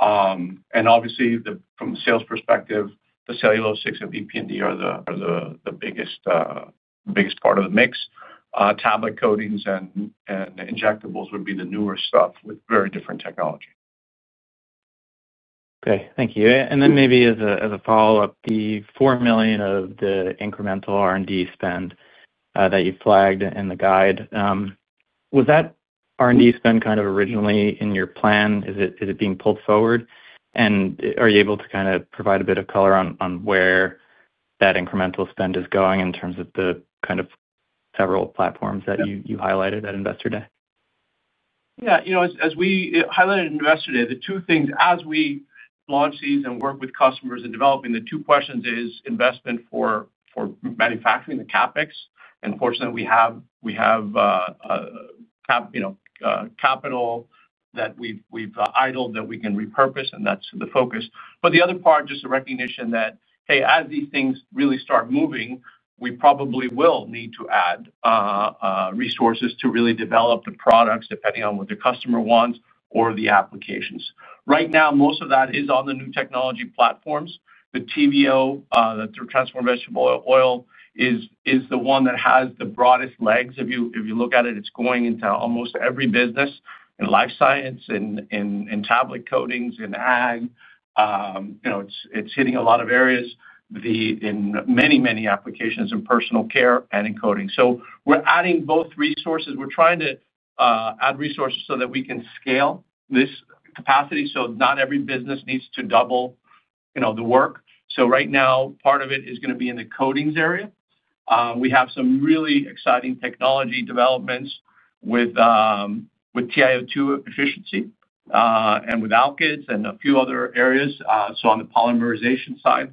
Obviously, from a sales perspective, the cellulosics and VP&D are the biggest part of the mix. Tablet coatings and injectables would be the newer stuff with very different technology. Okay. Thank you. Maybe as a follow-up, the $4 million of the incremental R&D spend that you flagged in the guide, was that R&D spend kind of originally in your plan? Is it being pulled forward? Are you able to provide a bit of color on where that incremental spend is going in terms of the several platforms that you highlighted at Investor Day? Yeah. As we highlighted at Investor Day, the two things as we launch these and work with customers and developing, the two questions are investment for manufacturing, the CapEx. Fortunately, we have capital that we have idled that we can repurpose, and that is the focus. The other part, just a recognition that, hey, as these things really start moving, we probably will need to add resources to really develop the products depending on what the customer wants or the applications. Right now, most of that is on the new technology platforms. The TVO, the Transformed Vegetable Oil, is the one that has the broadest legs. If you look at it, it is going into almost every business in life science and tablet coatings and ag. It is hitting a lot of areas. In many, many applications in personal care and in coating. We are adding both resources. We are trying to add resources so that we can scale this capacity so not every business needs to double the work. Right now, part of it is going to be in the coatings area. We have some really exciting technology developments with TiO2 efficiency. With Alkyd and a few other areas, on the polymerization side,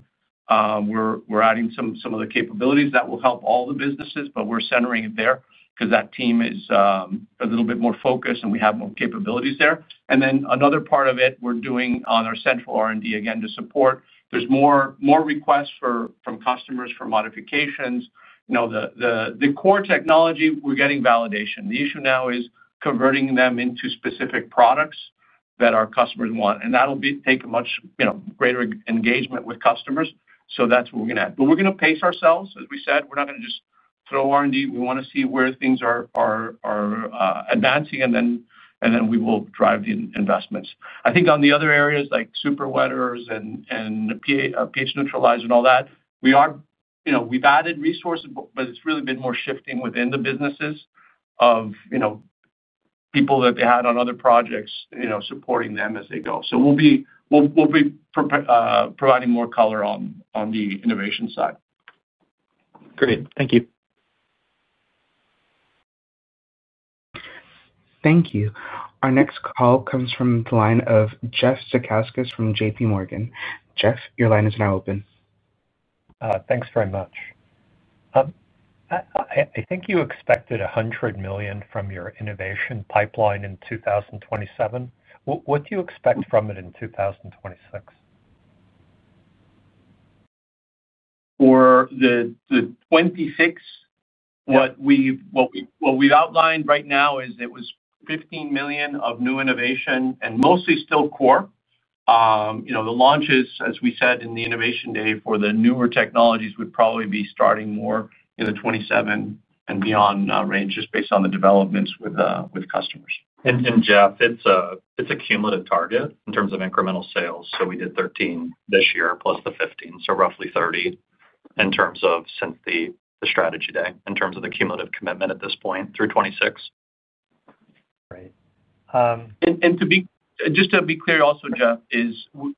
we're adding some of the capabilities that will help all the businesses, but we're centering it there because that team is a little bit more focused and we have more capabilities there. Another part of it, we're doing on our central R&D again to support. There are more requests from customers for modifications. The core technology, we're getting validation. The issue now is converting them into specific products that our customers want. That will take a much greater engagement with customers. That is what we're going to add. We're going to pace ourselves. As we said, we're not going to just throw R&D. We want to see where things are advancing, and then we will drive the investments. I think on the other areas like super wetters and pH neutralized and all that, we've added resources, but it's really been more shifting within the businesses of people that they had on other projects supporting them as they go. So we'll be providing more color on the innovation side. Great. Thank you. Thank you. Our next call comes from the line of Jeff Zekauskas from J.P. Morgan. Jeff, your line is now open. Thanks very much. I think you expected $100 million from your innovation pipeline in 2027. What do you expect from it in 2026? For the 2026. What we've outlined right now is it was $15 million of new innovation and mostly still core. The launches, as we said in the Innovation Day for the newer technologies, would probably be starting more in the 2027 and beyond range just based on the developments with customers. Jeff, it is a cumulative target in terms of incremental sales. We did 13 this year plus the 15, so roughly 30 in terms of since the strategy day in terms of the cumulative commitment at this point through 2026. Right. Just to be clear also, Jeff, we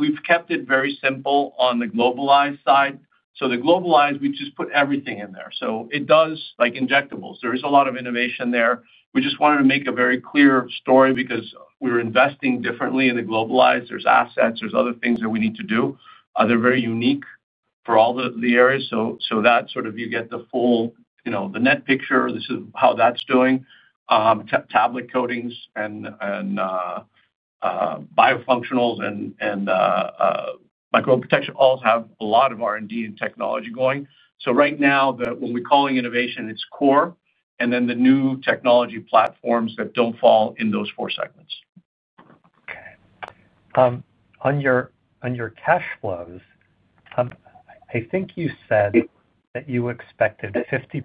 have kept it very simple on the globalized side. The globalized, we just put everything in there. It does, like injectables, there is a lot of innovation there. We just wanted to make a very clear story because we are investing differently in the globalized. There are assets, there are other things that we need to do. They are very unique for all the areas. That way you get the full net picture. This is how that is doing. Tablet coatings and biofunctionals and microbial protection all have a lot of R&D and technology going. Right now, when we're calling innovation, it's core, and then the new technology platforms that don't fall in those four segments. Okay. On your cash flows. I think you said that you expected 50%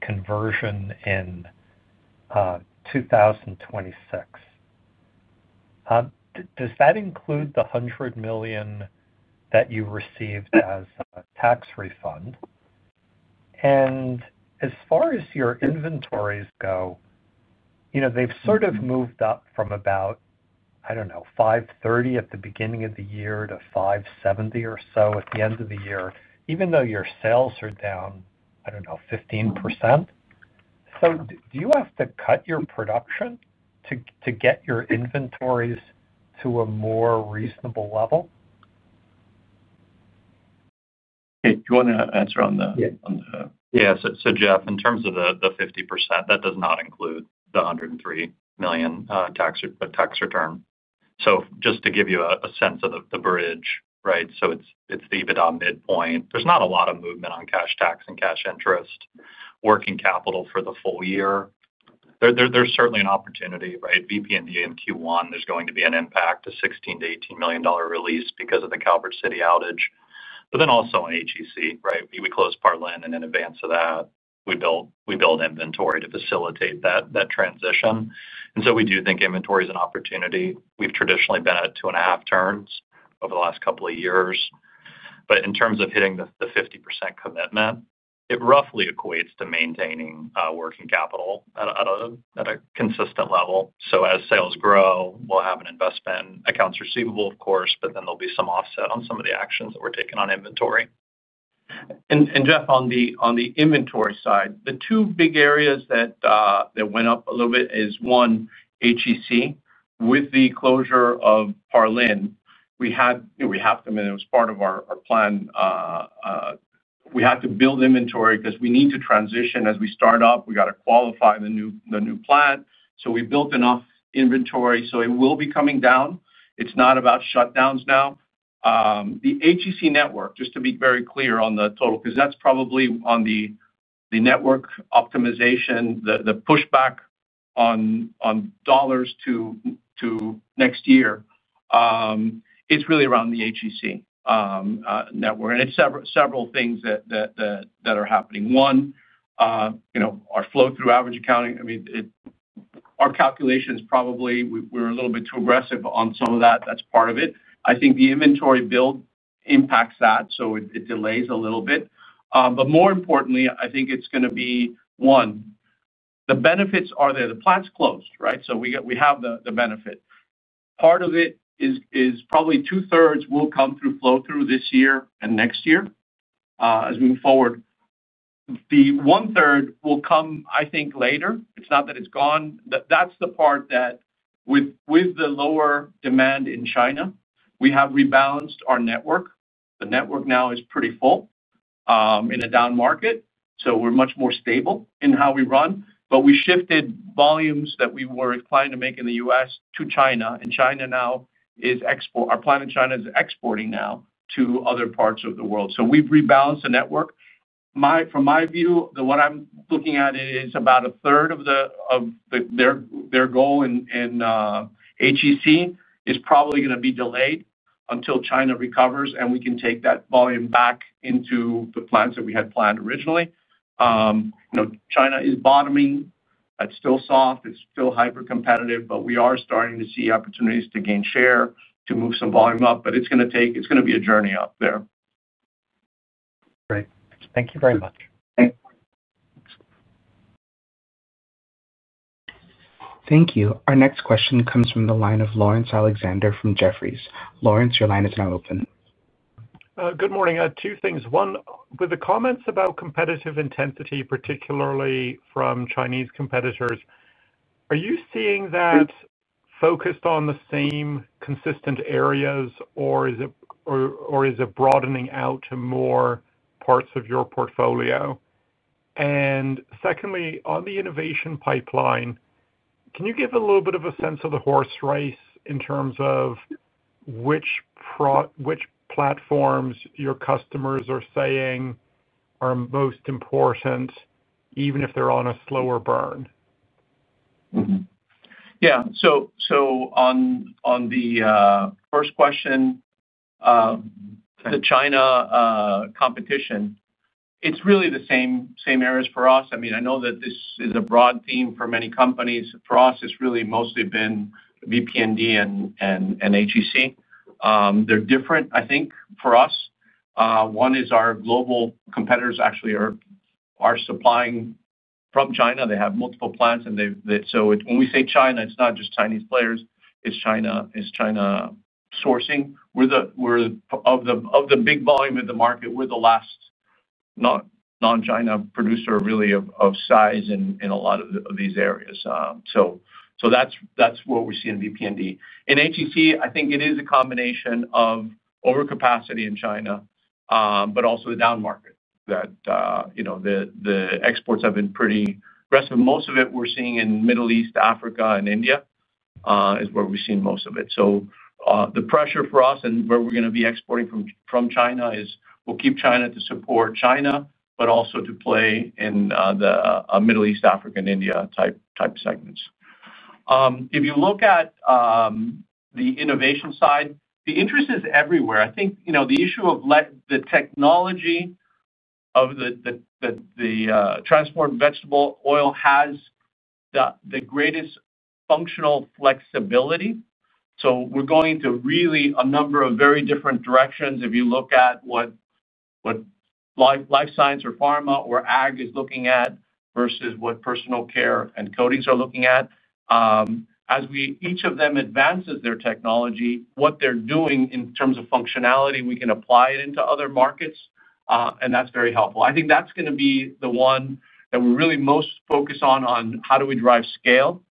conversion in 2026. Does that include the $100 million that you received as a tax refund? And as far as your inventories go, they've sort of moved up from about, I don't know, $530 million at the beginning of the year to $570 million or so at the end of the year, even though your sales are down, I don't know, 15%. Do you have to cut your production to get your inventories to a more reasonable level? Okay. Do you want to answer on the— Yeah. Jeff, in terms of the 50%, that does not include the $103 million tax return. Just to give you a sense of the bridge, right? It's the EBITDA midpoint. There's not a lot of movement on cash tax and cash interest, working capital for the full year. There's certainly an opportunity, right? VP&D in Q1, there's going to be an impact, a $16-18 million release because of the Calvert City outage. Also, HEC, right? We closed Parlin, and in advance of that, we built inventory to facilitate that transition. We do think inventory is an opportunity. We've traditionally been at two and a half turns over the last couple of years. In terms of hitting the 50% commitment, it roughly equates to maintaining working capital at a consistent level. As sales grow, we'll have an investment in accounts receivable, of course, but then there will be some offset on some of the actions that we're taking on inventory. Jeff, on the inventory side, the two big areas that went up a little bit is one, HEC. With the closure of Parlin, we had to, and it was part of our plan, we had to build inventory because we need to transition as we start up. We got to qualify the new plant. We built enough inventory, so it will be coming down. It's not about shutdowns now. The HEC Network, just to be very clear on the total, because that's probably on the network optimization, the pushback on dollars to next year, it's really around the HEC Network. It's several things that are happening. One, our flow-through average accounting. I mean, our calculations probably, we're a little bit too aggressive on some of that. That's part of it. I think the inventory build impacts that, so it delays a little bit. But more importantly, I think it's going to be, one, the benefits are there. The plant's closed, right? So we have the benefit. Part of it is probably two-thirds will come through flow-through this year and next year as we move forward. The one-third will come, I think, later. It's not that it's gone. That's the part that, with the lower demand in China, we have rebalanced our network. The network now is pretty full in a down market, so we're much more stable in how we run. We shifted volumes that we were inclined to make in the U.S. to China, and China now is export. Our plant in China is exporting now to other parts of the world. We've rebalanced the network. From my view, what I'm looking at is about a third of their goal in. HEC is probably going to be delayed until China recovers, and we can take that volume back into the plants that we had planned originally. China is bottoming. That is still soft. It is still hyper-competitive, but we are starting to see opportunities to gain share, to move some volume up. It is going to be a journey up there. Great. Thank you very much. Thank you. Our next question comes from the line of Laurence Alexander from Jefferies. Laurence, your line is now open. Good morning. Two things. One, with the comments about competitive intensity, particularly from Chinese competitors, are you seeing that focused on the same consistent areas, or is it broadening out to more parts of your portfolio? And secondly, on the innovation pipeline, can you give a little bit of a sense of the horse race in terms of which. Platforms your customers are saying are most important, even if they're on a slower burn? Yeah. On the first question, the China competition, it's really the same areas for us. I mean, I know that this is a broad theme for many companies. For us, it's really mostly been VP&D and HEC. They're different, I think, for us. One is our global competitors actually are supplying from China. They have multiple plants. When we say China, it's not just Chinese players. It's China sourcing. Of the big volume of the market, we're the last non-China producer, really, of size in a lot of these areas. That's what we're seeing in VP&D. In HEC, I think it is a combination of overcapacity in China, but also the down market. The exports have been pretty aggressive. Most of it we're seeing in the Middle East, Africa, and India. That is where we've seen most of it. The pressure for us and where we're going to be exporting from China is we'll keep China to support China, but also to play in the Middle East, African, and India type segments. If you look at the innovation side, the interest is everywhere. I think the issue of the technology of the transformed vegetable oil has the greatest functional flexibility. We're going to really a number of very different directions. If you look at what life science or pharma or ag is looking at versus what personal care and coatings are looking at, as each of them advances their technology, what they're doing in terms of functionality, we can apply it into other markets. That is very helpful. I think that's going to be the one that we really most focus on, on how do we drive scale.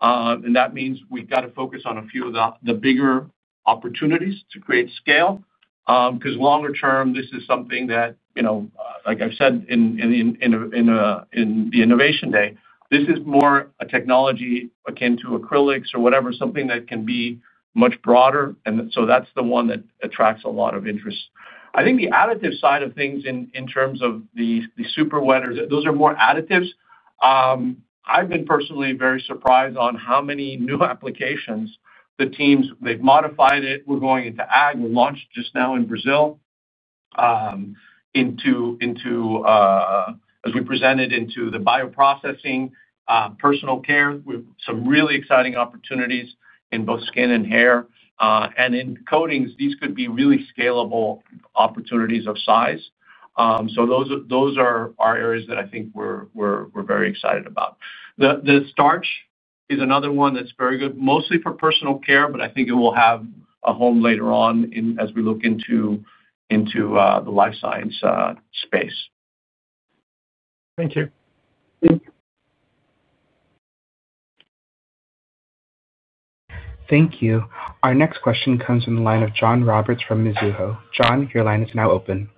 That means we've got to focus on a few of the bigger opportunities to create scale because longer term, this is something that, like I've said in the Innovation Day, this is more a technology akin to acrylics or whatever, something that can be much broader. That's the one that attracts a lot of interest. I think the additive side of things in terms of the super wetters, those are more additives. I've been personally very surprised on how many new applications the teams, they've modified it. We're going into ag. We launched just now in Brazil into, as we presented, into the bioprocessing, personal care with some really exciting opportunities in both skin and hair. In coatings, these could be really scalable opportunities of size. Those are areas that I think we're very excited about. The starch is another one that's very good, mostly for personal care, but I think it will have a home later on as we look into the life science space. Thank you. Thank you. Our next question comes from the line of John Roberts from Mizuho. John, your line is now open.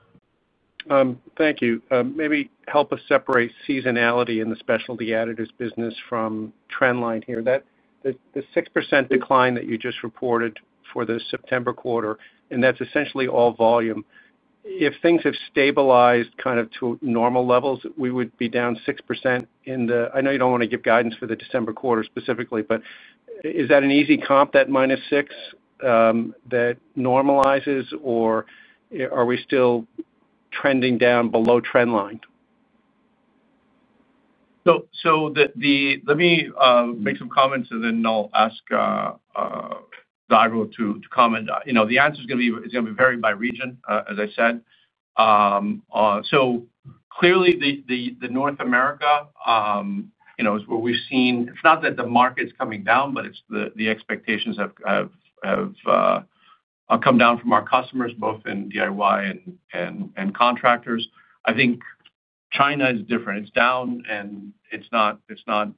Thank you. Maybe help us separate seasonality in the specialty additives business from trend line here. The 6% decline that you just reported for the September quarter, and that's essentially all volume. If things have stabilized kind of to normal levels, we would be down 6%. I know you don't want to give guidance for the December quarter specifically, but is that an easy comp, that minus 6%. That normalizes, or are we still trending down below trend line? Let me make some comments, and then I'll ask Dago to comment. The answer is going to be it's going to be varied by region, as I said. Clearly, North America is where we've seen it's not that the market's coming down, but it's the expectations have come down from our customers, both in DIY and contractors. I think China is different. It's down, and it's not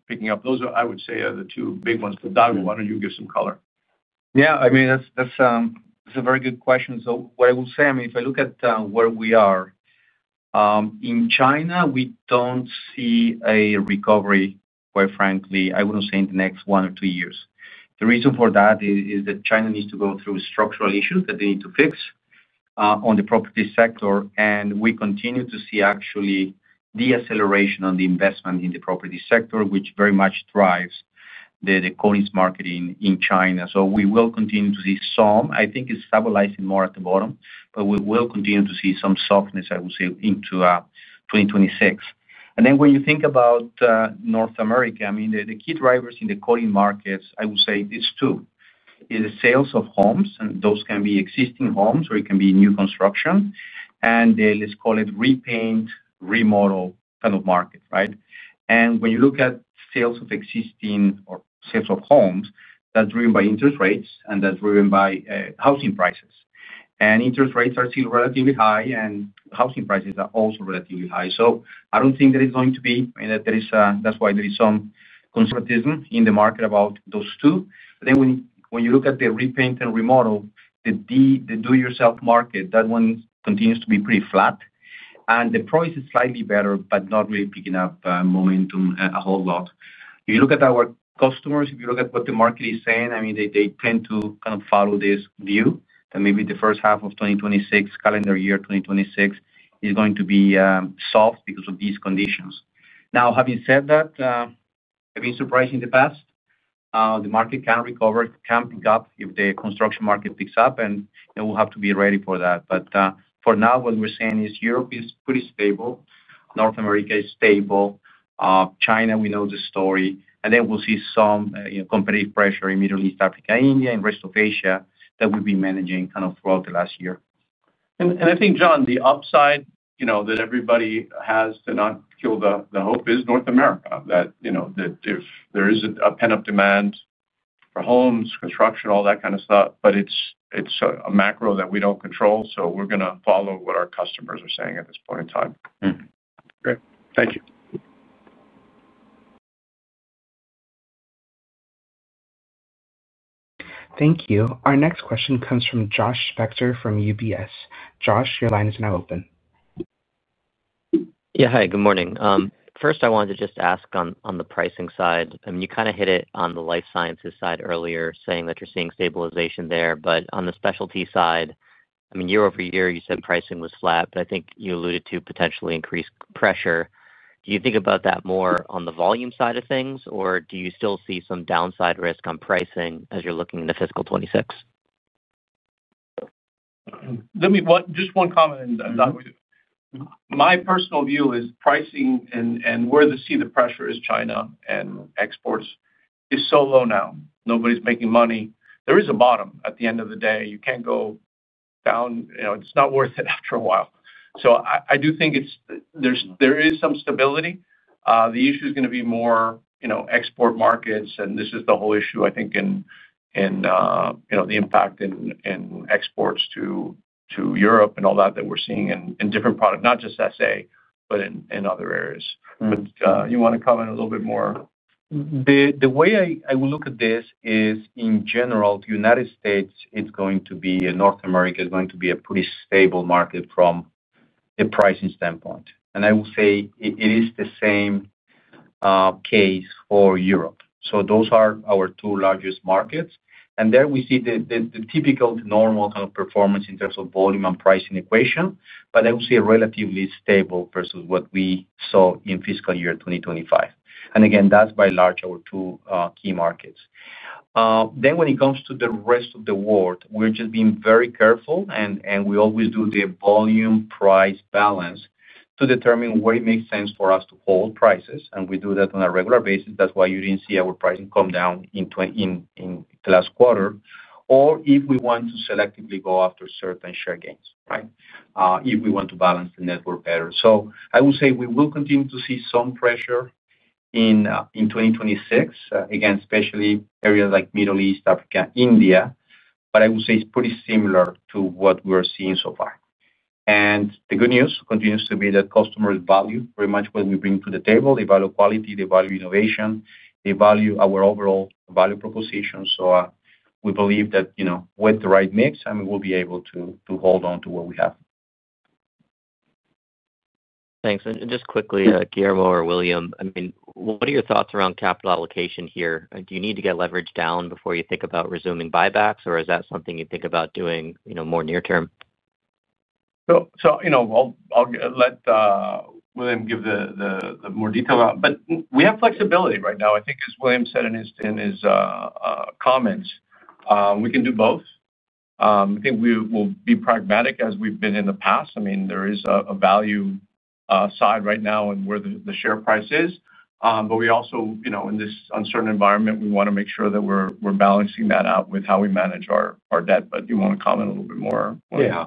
picking up. Those, I would say, are the two big ones. Dago, why don't you give some color? Yeah. I mean, that's a very good question. What I will say, I mean, if I look at where we are in China, we don't see a recovery, quite frankly. I wouldn't say in the next one or two years. The reason for that is that China needs to go through structural issues that they need to fix. On the property sector. We continue to see actually de-acceleration on the investment in the property sector, which very much drives the coatings market in China. We will continue to see some. I think it is stabilizing more at the bottom, but we will continue to see some softness, I would say, into 2026. When you think about North America, I mean, the key drivers in the coating markets, I would say it is two. It is the sales of homes, and those can be existing homes, or it can be new construction. Let us call it repaint, remodel kind of market, right? When you look at sales of existing or sales of homes, that is driven by interest rates, and that is driven by housing prices. Interest rates are still relatively high, and housing prices are also relatively high. I don't think that it's going to be that there is, that's why there is some conservatism in the market about those two. But then when you look at the repaint and remodel, the do-it-yourself market, that one continues to be pretty flat. The price is slightly better, but not really picking up momentum a whole lot. If you look at our customers, if you look at what the market is saying, I mean, they tend to kind of follow this view that maybe the first half of 2026, calendar year 2026, is going to be soft because of these conditions. Now, having said that, I've been surprised in the past. The market can recover, can pick up if the construction market picks up, and we'll have to be ready for that. For now, what we're saying is Europe is pretty stable. North America is stable. China, we know the story. We will see some competitive pressure in Middle East, Africa, India, and rest of Asia that we have been managing kind of throughout the last year. I think, John, the upside that everybody has to not kill the hope is North America. That, if there is a pent-up demand for homes, construction, all that kind of stuff, but it is a macro that we do not control. We are going to follow what our customers are saying at this point in time. Great. Thank you. Thank you. Our next question comes from Josh Spector from UBS. Josh, your line is now open. Yeah. Hi. Good morning. First, I wanted to just ask on the pricing side. I mean, you kind of hit it on the Life Sciences side earlier, saying that you are seeing stabilization there. On the specialty side, I mean, year-over-year, you said pricing was flat, but I think you alluded to potentially increased pressure. Do you think about that more on the volume side of things, or do you still see some downside risk on pricing as you're looking into fiscal 2026? Just one comment. My personal view is pricing and where to see the pressure is China and exports is so low now. Nobody's making money. There is a bottom at the end of the day. You can't go down. It's not worth it after a while. I do think there is some stability. The issue is going to be more export markets, and this is the whole issue, I think, and the impact in exports to Europe and all that that we're seeing in different products, not just SA, but in other areas. You want to comment a little bit more? The way I will look at this is, in general, the United States, it's going to be North America is going to be a pretty stable market from the pricing standpoint. I will say it is the same case for Europe. Those are our two largest markets. There we see the typical normal kind of performance in terms of volume and pricing equation. I will see a relatively stable versus what we saw in fiscal year 2025. Again, that's by large our two key markets. When it comes to the rest of the world, we're just being very careful, and we always do the volume-price balance to determine where it makes sense for us to hold prices. We do that on a regular basis. That's why you did not see our pricing come down in. The last quarter, or if we want to selectively go after certain share gains, right, if we want to balance the network better. I will say we will continue to see some pressure in 2026, again, especially areas like Middle East, Africa, India. I would say it's pretty similar to what we're seeing so far. The good news continues to be that customer value, pretty much what we bring to the table, they value quality, they value innovation, they value our overall value proposition. We believe that with the right mix, we will be able to hold on to what we have. Thanks. Just quickly, Guillermo or William, I mean, what are your thoughts around capital allocation here? Do you need to get leverage down before you think about resuming buybacks, or is that something you think about doing more near-term? I'll let William will give the more detail. We have flexibility right now. I think, as William said in his comments, we can do both. I think we'll be pragmatic as we've been in the past. I mean, there is a value side right now in where the share price is. We also, in this uncertain environment, want to make sure that we're balancing that out with how we manage our debt. You want to comment a little bit more? Yeah.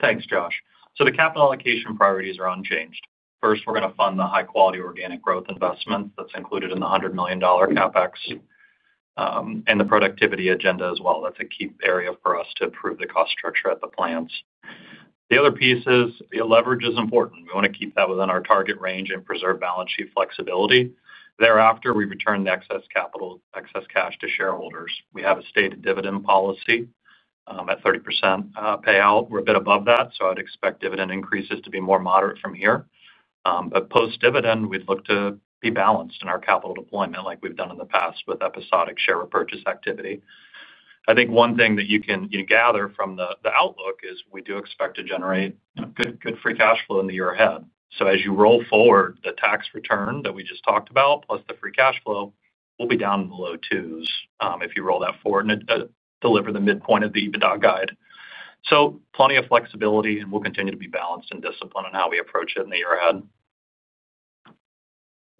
Thanks, Josh. The capital allocation priorities are unchanged. First, we're going to fund the high-quality organic growth investments that's included in the $100 million CapEx and the productivity agenda as well. That's a key area for us to improve the cost structure at the plants. The other piece is leverage is important. We want to keep that within our target range and preserve balance sheet flexibility. Thereafter, we return the excess capital, excess cash to shareholders. We have a stated dividend policy at 30% payout. We're a bit above that, so I'd expect dividend increases to be more moderate from here. Post-dividend, we'd look to be balanced in our capital deployment like we've done in the past with episodic share repurchase activity. I think one thing that you can gather from the outlook is we do expect to generate good free cash flow in the year ahead. As you roll forward, the tax return that we just talked about, plus the free cash flow, we'll be down in the low twos if you roll that forward and deliver the midpoint of the EBITDA guide. Plenty of flexibility, and we'll continue to be balanced and disciplined on how we approach it in the year ahead.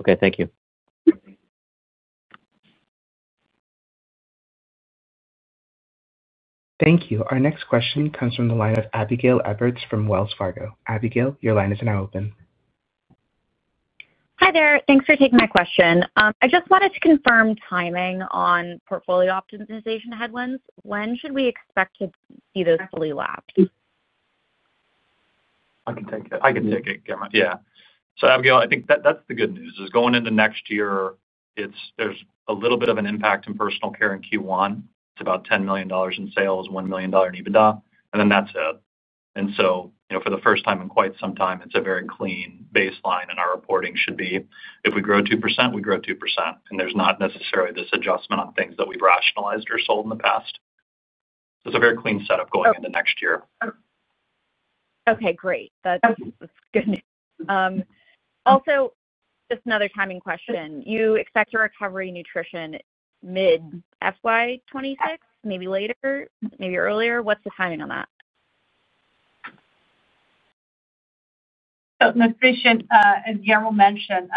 Okay. Thank you. Thank you. Our next question comes from the line of Abigail Eberts from Wells Fargo. Abigail, your line is now open. Hi there. Thanks for taking my question. I just wanted to confirm timing on portfolio optimization headwinds. When should we expect to see those fully lapped? I can take it. Yeah. So Abigail, I think that's the good news. Going into next year, there's a little bit of an impact in personal care in Q1. It's about $10 million in sales, $1 million in EBITDA, and then that's it. For the first time in quite some time, it's a very clean baseline, and our reporting should be if we grow 2%, we grow 2%. There's not necessarily this adjustment on things that we've rationalized or sold in the past. It's a very clean setup going into next year. Okay. Great. That's good news. Also, just another timing question. You expect a recovery in nutrition mid-FY 2026, maybe later, maybe earlier? What's the timing on that? As Guillermo mentioned,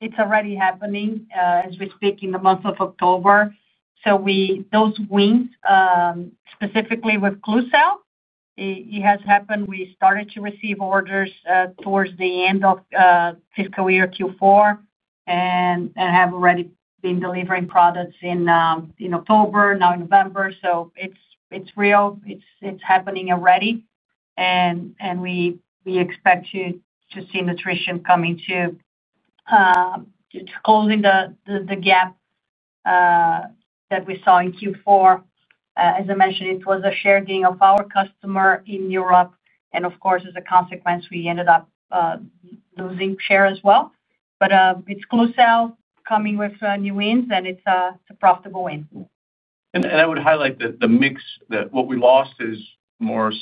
it's already happening as we speak in the month of October. So those wins, specifically with Klucel, it has happened. We started to receive orders towards the end of fiscal year Q4 and have already been delivering products in October, now in November. So it's real. It's happening already. We expect to see nutrition coming too, closing the gap that we saw in Q4. As I mentioned, it was a share gain of our customer in Europe, and of course, as a consequence, we ended up losing share as well. It's Klucel coming with new wins, and it's a profitable win. I would highlight that the mix, that what we lost is more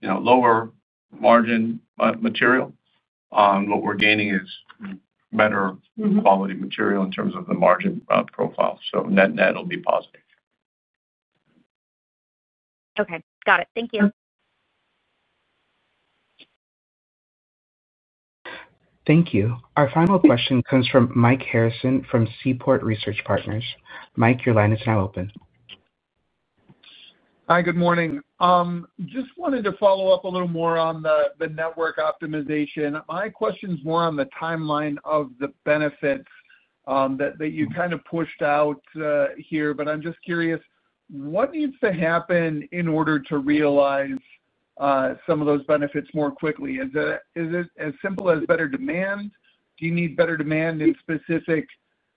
lower margin material. What we're gaining is better quality material in terms of the margin profile. So net-net will be positive. Okay. Got it. Thank you. Thank you. Our final question comes from Mike Harrison from Seaport Research Partners. Mike, your line is now open. Hi. Good morning. Just wanted to follow up a little more on the network optimization. My question is more on the timeline of the benefits that you kind of pushed out here. But I'm just curious, what needs to happen in order to realize some of those benefits more quickly? Is it as simple as better demand? Do you need better demand in specific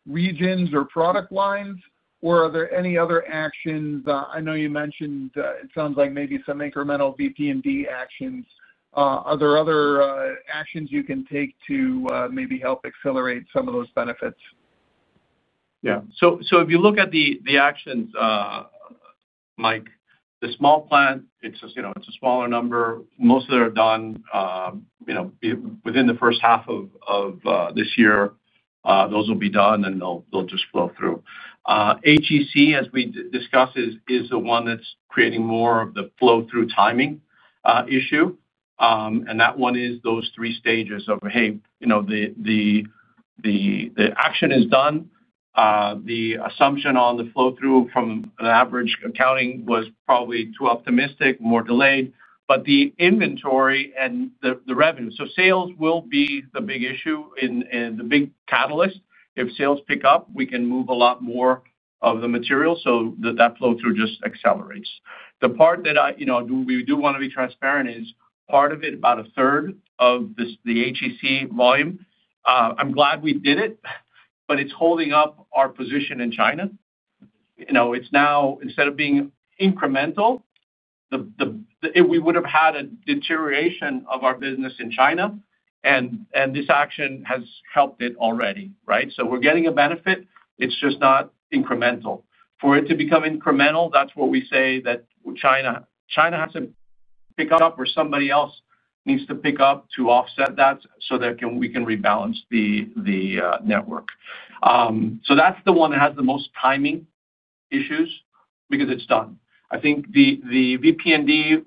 regions or product lines, or are there any other actions? I know you mentioned it sounds like maybe some incremental VP&D actions. Are there other actions you can take to maybe help accelerate some of those benefits? Yeah. If you look at the actions, Mike, the small plant, it's a smaller number. Most of them are done. Within the first half of this year, those will be done, and they'll just flow through. HEC, as we discussed, is the one that's creating more of the flow-through timing issue. That one is those three stages of, "Hey. The. Action is done." The assumption on the flow-through from an average accounting was probably too optimistic, more delayed. The inventory and the revenue, so sales will be the big issue and the big catalyst. If sales pick up, we can move a lot more of the material so that flow-through just accelerates. The part that we do want to be transparent is part of it, about a third of the HEC volume. I'm glad we did it, but it's holding up our position in China. It's now, instead of being incremental. We would have had a deterioration of our business in China, and this action has helped it already, right? So we're getting a benefit. It's just not incremental. For it to become incremental, that's where we say that China has to pick up where somebody else needs to pick up to offset that so that we can rebalance the network. That's the one that has the most timing issues because it's done. I think the VP&D.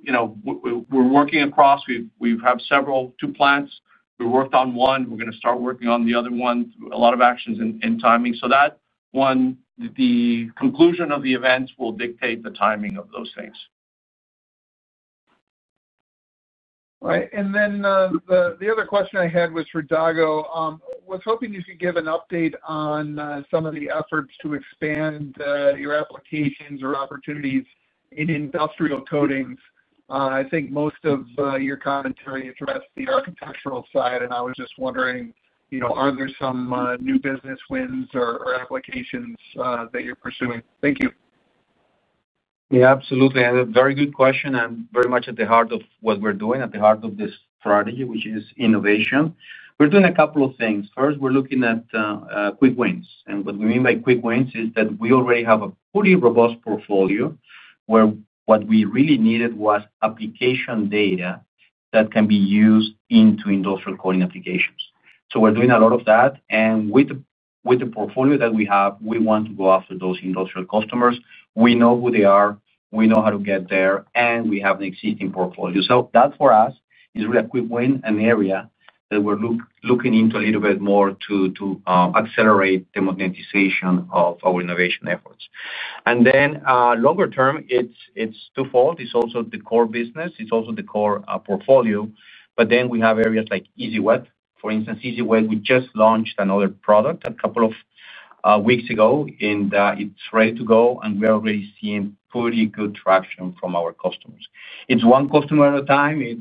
We're working across. We have several, two plants. We worked on one. We're going to start working on the other one. A lot of actions and timing. That one, the conclusion of the events will dictate the timing of those things. All right. The other question I had was for Dago. I was hoping you could give an update on some of the efforts to expand your applications or opportunities in industrial coatings. I think most of your commentary addressed the architectural side, and I was just wondering, are there some new business wins or applications that you're pursuing? Thank you. Yeah. Absolutely. A very good question and very much at the heart of what we're doing, at the heart of this strategy, which is innovation. We're doing a couple of things. First, we're looking at quick wins. What we mean by quick wins is that we already have a pretty robust portfolio where what we really needed was application data that can be used into industrial coating applications. We're doing a lot of that. With the portfolio that we have, we want to go after those industrial customers. We know who they are. We know how to get there, and we have an existing portfolio. That, for us, is really a quick win in an area that we are looking into a little bit more to accelerate the monetization of our innovation efforts. Longer term, it is twofold. It is also the core business. It is also the core portfolio. We have areas like Easy-Wet. For instance, Easy-Wet, we just launched another product a couple of weeks ago, and it is ready to go, and we are already seeing pretty good traction from our customers. It is one customer at a time. It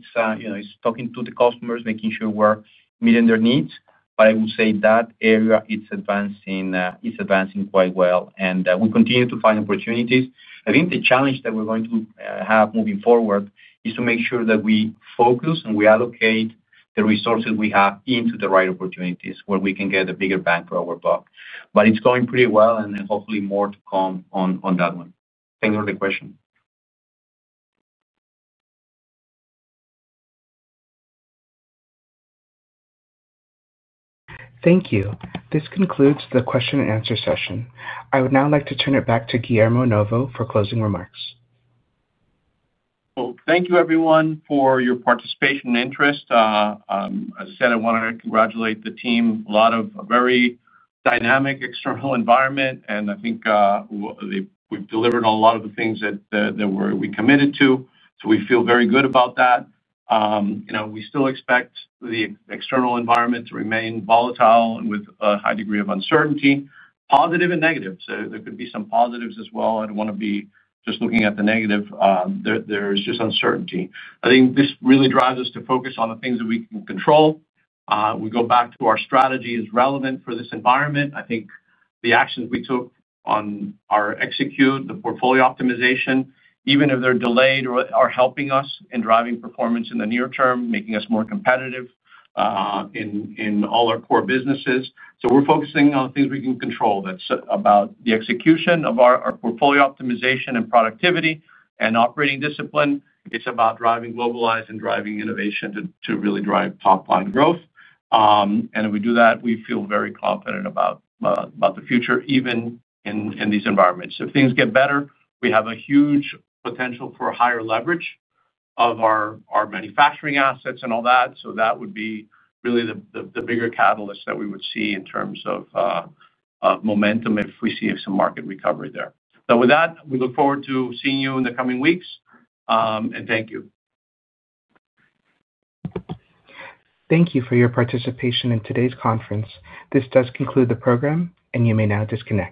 is talking to the customers, making sure we are meeting their needs. I would say that area is advancing quite well. We continue to find opportunities. I think the challenge that we're going to have moving forward is to make sure that we focus and we allocate the resources we have into the right opportunities where we can get a bigger bang for our buck. It is going pretty well, and hopefully more to come on that one. Thank you for the question. Thank you. This concludes the question-and-answer session. I would now like to turn it back to Guillermo Novo for closing remarks. Thank you, everyone, for your participation and interest. As I said, I want to congratulate the team. A lot of a very dynamic external environment, and I think we have delivered on a lot of the things that we committed to. We feel very good about that. We still expect the external environment to remain volatile with a high degree of uncertainty, positive and negative. There could be some positives as well. I do not want to be just looking at the negative. There is just uncertainty. I think this really drives us to focus on the things that we can control. We go back to our strategy is relevant for this environment. I think the actions we took on our execute, the portfolio optimization, even if they are delayed, are helping us in driving performance in the near term, making us more competitive in all our core businesses. We are focusing on things we can control. That is about the execution of our portfolio optimization and productivity and operating discipline. It is about driving globalized and driving innovation to really drive top-line growth. If we do that, we feel very confident about the future, even in these environments. If things get better, we have a huge potential for higher leverage of our manufacturing assets and all that. That would be really the bigger catalyst that we would see in terms of momentum if we see some market recovery there. With that, we look forward to seeing you in the coming weeks. Thank you. Thank you for your participation in today's conference. This does conclude the program, and you may now disconnect.